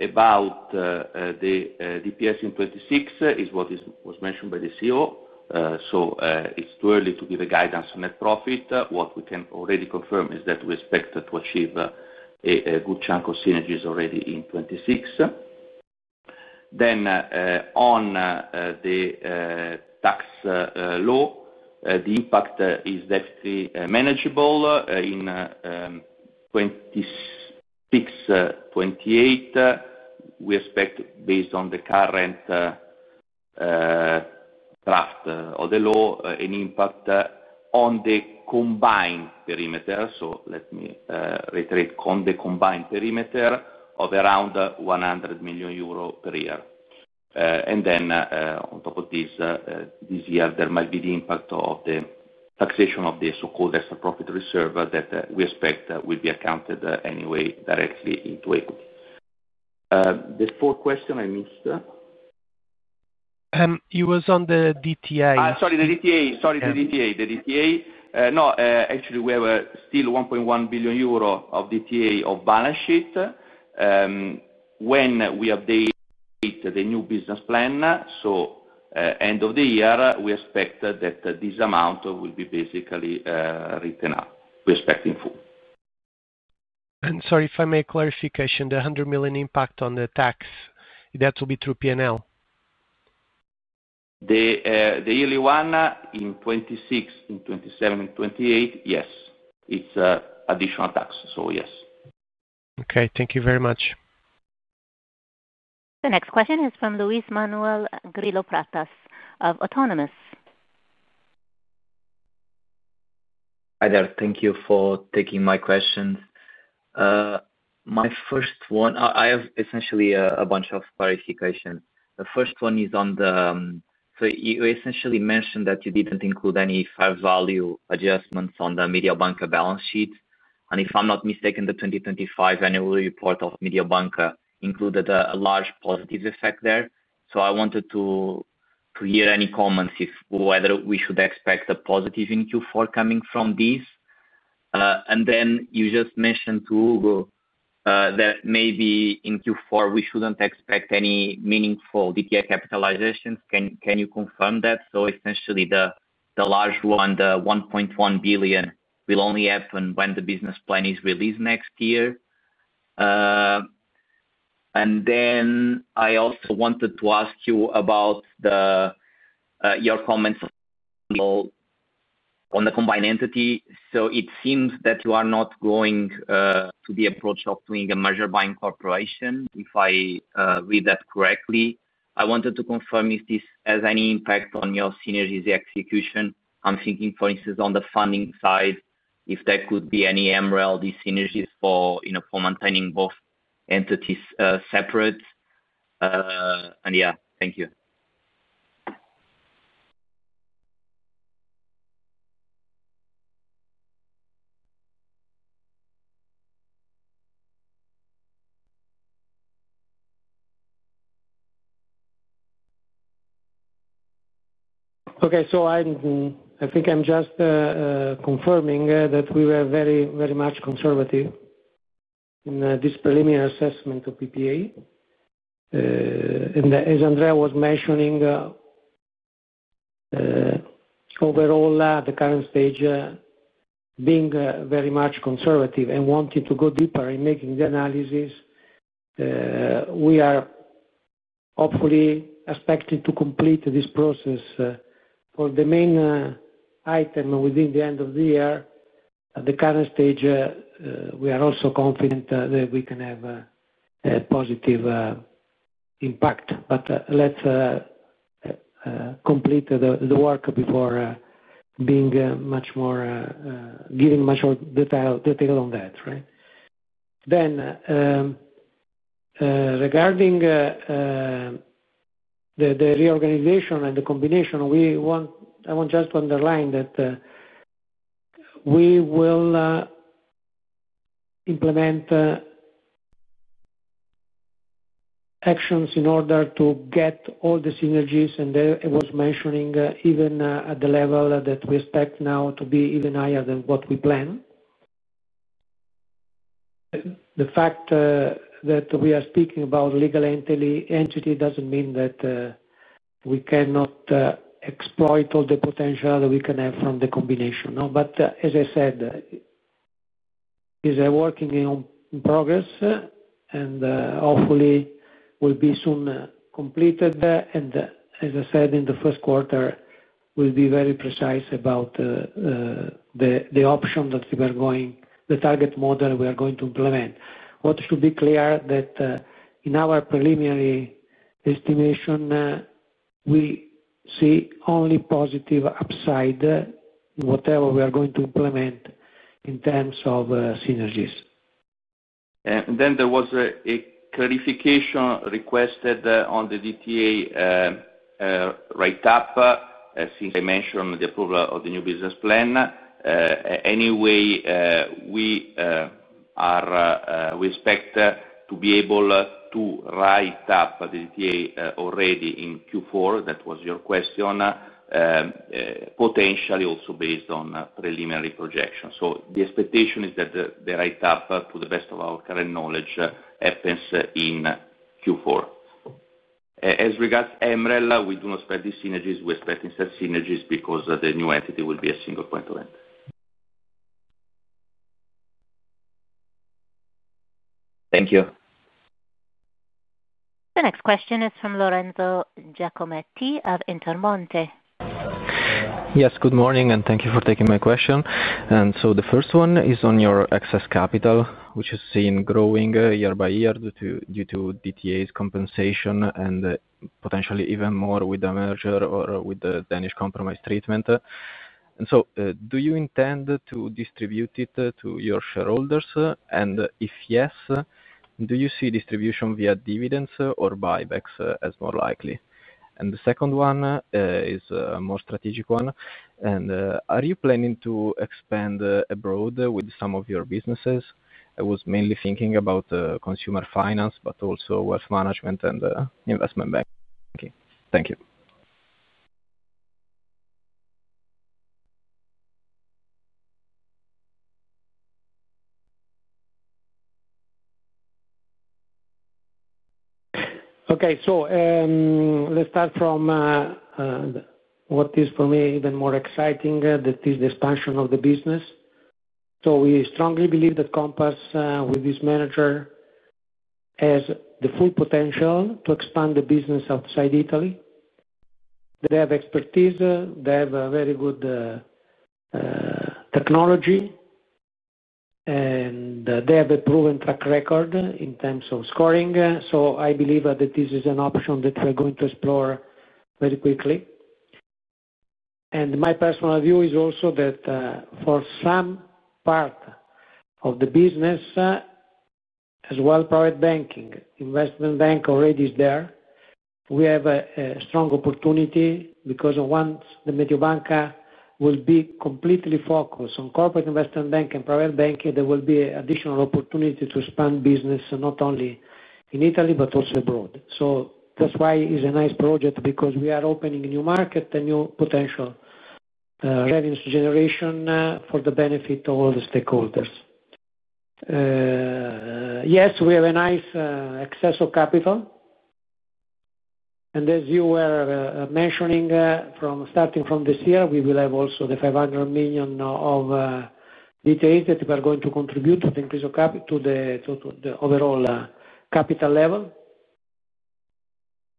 About the DPS in 2026, it is what was mentioned by the CEO. It is too early to give a guidance on net profit. What we can already confirm is that we expect to achieve a good chunk of synergies already in 2026. On the tax law, the impact is definitely manageable. In 2026-2028, we expect based on the current draft of the law, an impact on the combined perimeter. Let me reiterate, on the combined perimeter of around 100 million euro per year. On top of this, this year, there might be the impact of the taxation of the so-called extra profit reserve that we expect will be accounted anyway directly into equity. The fourth question I missed. It was on the DTA. Sorry, the DTA. The DTA. No, actually, we have still 1.1 billion euro of DTA off balance sheet when we update the new business plan. So end of the year, we expect that this amount will be basically written up. We are expecting full. And sorry if I may, clarification, the 100 million impact on the tax, that will be through P&L? The yearly one. In 2026, in 2027, in 2028, yes. It is additional tax. Yes. Okay. Thank you very much. The next question is from Luis Manuel Grillo Pratas of Autonomous. Hi there. Thank you for taking my questions. My first one, I have essentially a bunch of clarifications. The first one is on the, so you essentially mentioned that you did not include any fair value adjustments on the Mediobanca balance sheet. If I am not mistaken, the 2025 annual report of Mediobanca included a large positive effect there. I wanted to hear any comments if whether we should expect a positive in Q4 coming from this. You just mentioned to Hugo that maybe in Q4 we should not expect any meaningful DTA capitalizations. Can you confirm that? Essentially, the large one, the 1.1 billion, will only happen when the business plan is released next year. I also wanted to ask you about your comments on the combined entity. It seems that you are not going to the approach of doing a merger by incorporation, if I read that correctly. I wanted to confirm if this has any impact on your synergies execution. I'm thinking, for instance, on the funding side, if there could be any MRLD synergies for maintaining both entities separate. Yeah, thank you. Okay. I think I'm just confirming that we were very, very much conservative in this preliminary assessment of PPA. As Andrea was mentioning, overall, at the current stage, being very much conservative and wanting to go deeper in making the analysis, we are hopefully expected to complete this process. For the main item within the end of the year, at the current stage, we are also confident that we can have a positive impact. Let's complete the work before giving much more detail on that, right? Regarding the reorganization and the combination, I want just to underline that we will implement actions in order to get all the synergies. It was mentioning even at the level that we expect now to be even higher than what we planned. The fact that we are speaking about legal entity does not mean that we cannot exploit all the potential that we can have from the combination. As I said, it is a working in progress and hopefully will be soon completed. As I said, in the first quarter, we will be very precise about the option that we are going, the target model we are going to implement. What should be clear is that in our preliminary estimation, we see only positive upside in whatever we are going to implement in terms of synergies. There was a clarification requested on the DTA write-up since I mentioned the approval of the new business plan. Anyway, we expect to be able to write up the DTA already in Q4. That was your question, potentially also based on preliminary projections. The expectation is that the write-up, to the best of our current knowledge, happens in Q4. As regards MRL, we do not expect these synergies. We are expecting synergies because the new entity will be a single point of entry. Thank you. The next question is from Lorenzo Giacometti of Intermonte. Yes, good morning, and thank you for taking my question. The first one is on your excess capital, which is seen growing year by year due to DTA's compensation and potentially even more with the merger or with the Danish compromise treatment. Do you intend to distribute it to your shareholders? If yes, do you see distribution via dividends or buybacks as more likely? The second one is a more strategic one. Are you planning to expand abroad with some of your businesses? I was mainly thinking about consumer finance, but also wealth management and investment banking. Thank you. Okay. Let's start from what is for me even more exciting, that is the expansion of the business. We strongly believe that Compass, with this manager, has the full potential to expand the business outside Italy. They have expertise. They have very good technology. They have a proven track record in terms of scoring. I believe that this is an option that we're going to explore very quickly. My personal view is also that for some part of the business, as well as private banking, investment bank already is there. We have a strong opportunity because once Mediobanca will be completely focused on corporate investment bank and private banking, there will be additional opportunity to expand business not only in Italy but also abroad. That is why it is a nice project because we are opening a new market, a new potential revenue generation for the benefit of all the stakeholders. Yes, we have a nice excess of capital. As you were mentioning, starting from this year, we will have also the 500 million of DTAs that we are going to contribute to the increase of capital to the overall capital level.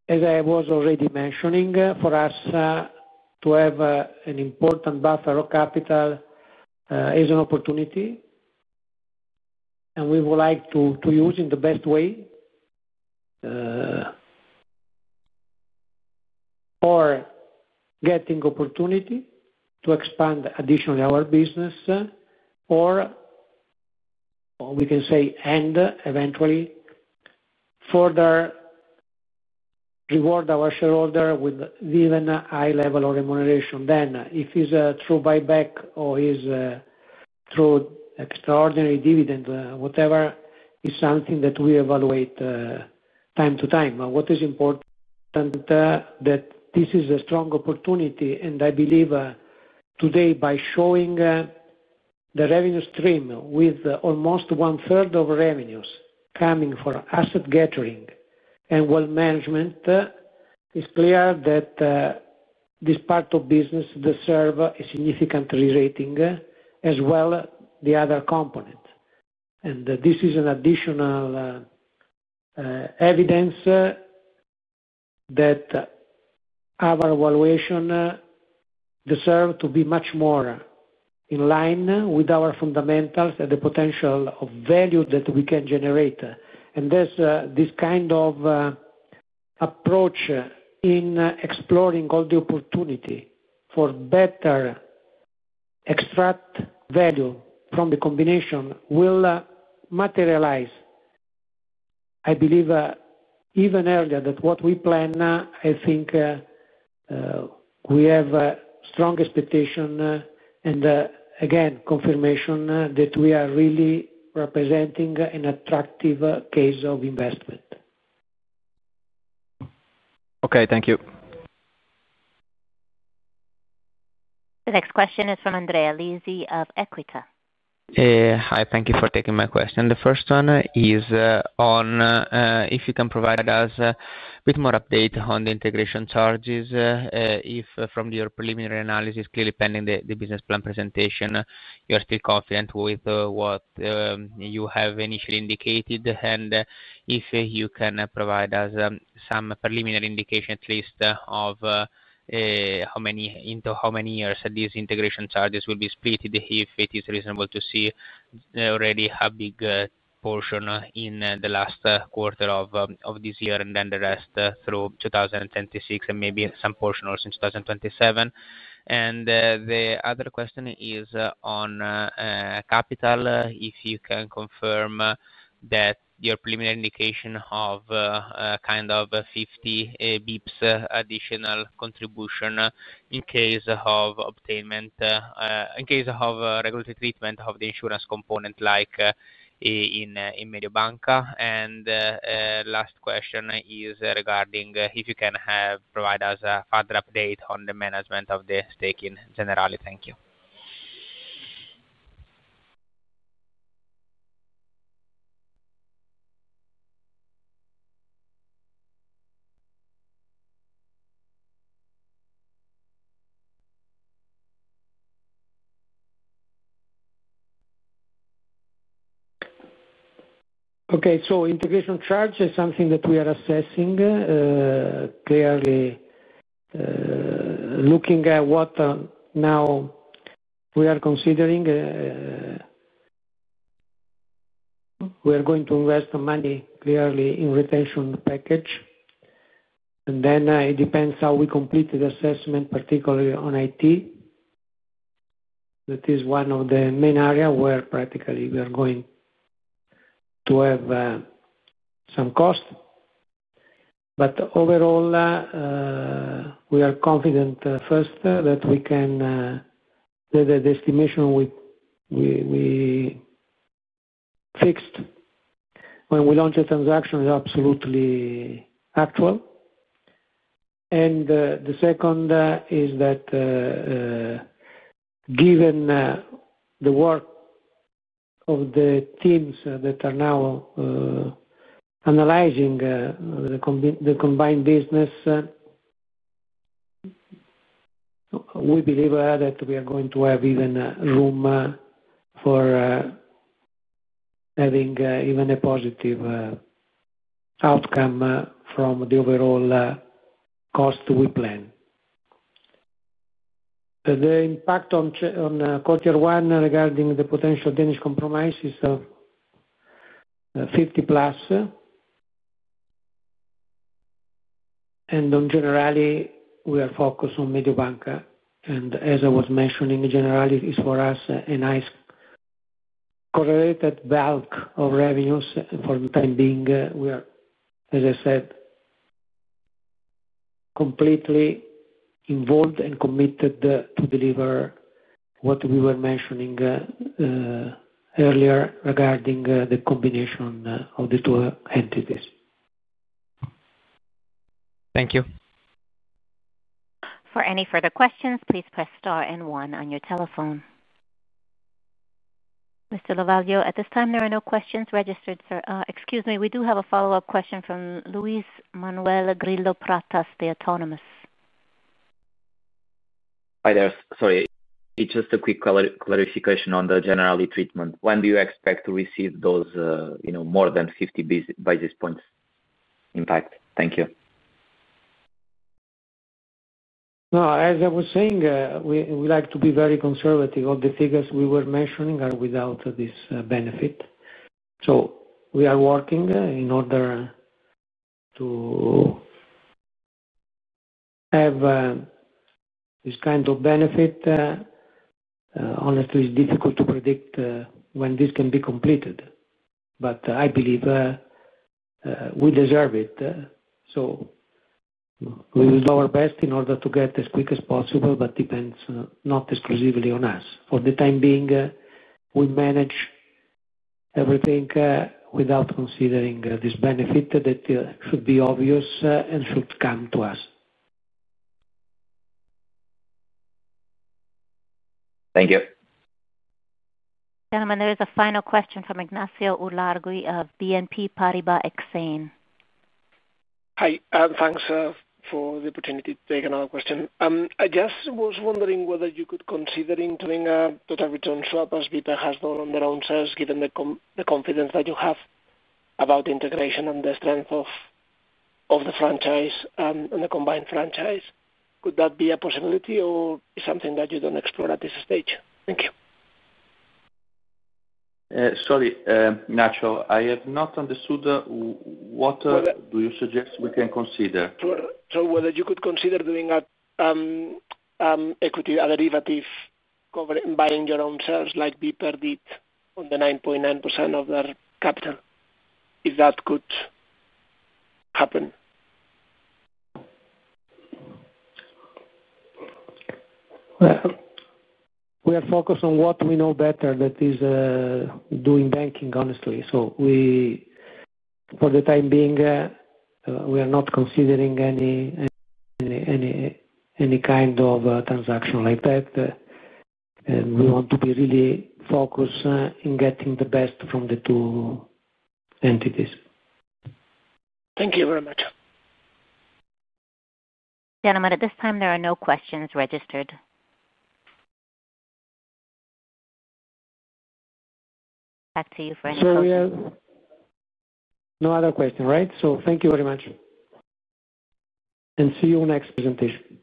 As I was already mentioning, for us to have an important buffer of capital is an opportunity. We would like to use it in the best way, getting opportunity to expand additionally our business, or we can say eventually further reward our shareholder with even a high level of remuneration. If it is a true buyback or it is through extraordinary dividend, whatever, it is something that we evaluate time to time. What is important is that this is a strong opportunity. I believe today, by showing the revenue stream with almost one-third of revenues coming for asset gathering and wealth management, it is clear that this part of business deserves a significant rerating as well as the other components. This is an additional evidence that our evaluation deserves to be much more in line with our fundamentals and the potential of value that we can generate. This kind of approach in exploring all the opportunity for better extract value from the combination will materialize. I believe even earlier than what we plan, I think we have strong expectation and, again, confirmation that we are really representing an attractive case of investment. Okay. Thank you. The next question is from Andrea Lisi of Equita. Hi. Thank you for taking my question. The first one is on if you can provide us with more updates on the integration charges. If from your preliminary analysis, clearly pending the business plan presentation, you are still confident with what you have initially indicated, and if you can provide us some preliminary indication, at least, of how many into how many years these integration charges will be split, if it is reasonable to see already a big portion in the last quarter of this year and then the rest through 2026 and maybe some portion also in 2027. The other question is on capital, if you can confirm that your preliminary indication of kind of 50 basis points additional contribution in case of obtainment, in case of regulatory treatment of the insurance component like in Mediobanca. Last question is regarding if you can provide us a further update on the management of the stake in Generali. Thank you. Okay. Integration charge is something that we are assessing clearly, looking at what now we are considering. We are going to invest money clearly in retention package. It depends how we complete the assessment, particularly on IT. That is one of the main areas where practically we are going to have some cost. Overall, we are confident. First, that we can, that the estimation we fixed when we launched the transaction is absolutely actual. The second is that given the work of the teams that are now analyzing the combined business, we believe that we are going to have even room for having even a positive outcome from the overall cost we plan. The impact on quarter one regarding the potential Danish compromise is 50+. In Generali we are focused on Mediobanca. As I was mentioning, Generali is for us a nice correlated bulk of revenues. For the time being, we are, as I said, completely involved and committed to deliver what we were mentioning earlier regarding the combination of the two entities. Thank you. For any further questions, please press star and one on your telephone. Mr. Lovaglio, at this time, there are no questions registered. Excuse me, we do have a follow-up question from Luis Manuel Grillo Pratas, the Autonomous. Hi there. Sorry. It's just a quick clarification on the Generali treatment. When do you expect to receive those more than 50 basis points impact? Thank you. As I was saying, we like to be very conservative. All the figures we were mentioning are without this benefit. We are working in order to have this kind of benefit. Honestly, it's difficult to predict when this can be completed. I believe we deserve it. We will do our best in order to get as quick as possible, but it depends not exclusively on us. For the time being, we manage everything without considering this benefit that should be obvious and should come to us. Thank you. Gentlemen, there is a final question from Ignacio Urlaguy of BNP Paribas Exane. Hi. Thanks for the opportunity to take another question. I just was wondering whether you could consider doing a total return swap as Vita has done on their own sales given the confidence that you have about the integration and the strength of the franchise and the combined franchise. Could that be a possibility or something that you do not explore at this stage? Thank you. Sorry, Ignacio. I have not understood what do you suggest we can consider? Whether you could consider doing an equity derivative covering buying your own shares like Viper did on the 9.9% of their capital, if that could happen. We are focused on what we know better, that is doing banking, honestly. For the time being, we are not considering any kind of transaction like that. We want to be really focused in getting the best from the two entities. Thank you very much. Gentlemen, at this time, there are no questions registered. Back to you. No other question, right? Thank you very much. See you next presentation.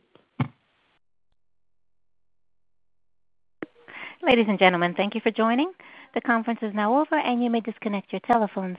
Ladies and gentlemen, thank you for joining. The conference is now over, and you may disconnect your telephones.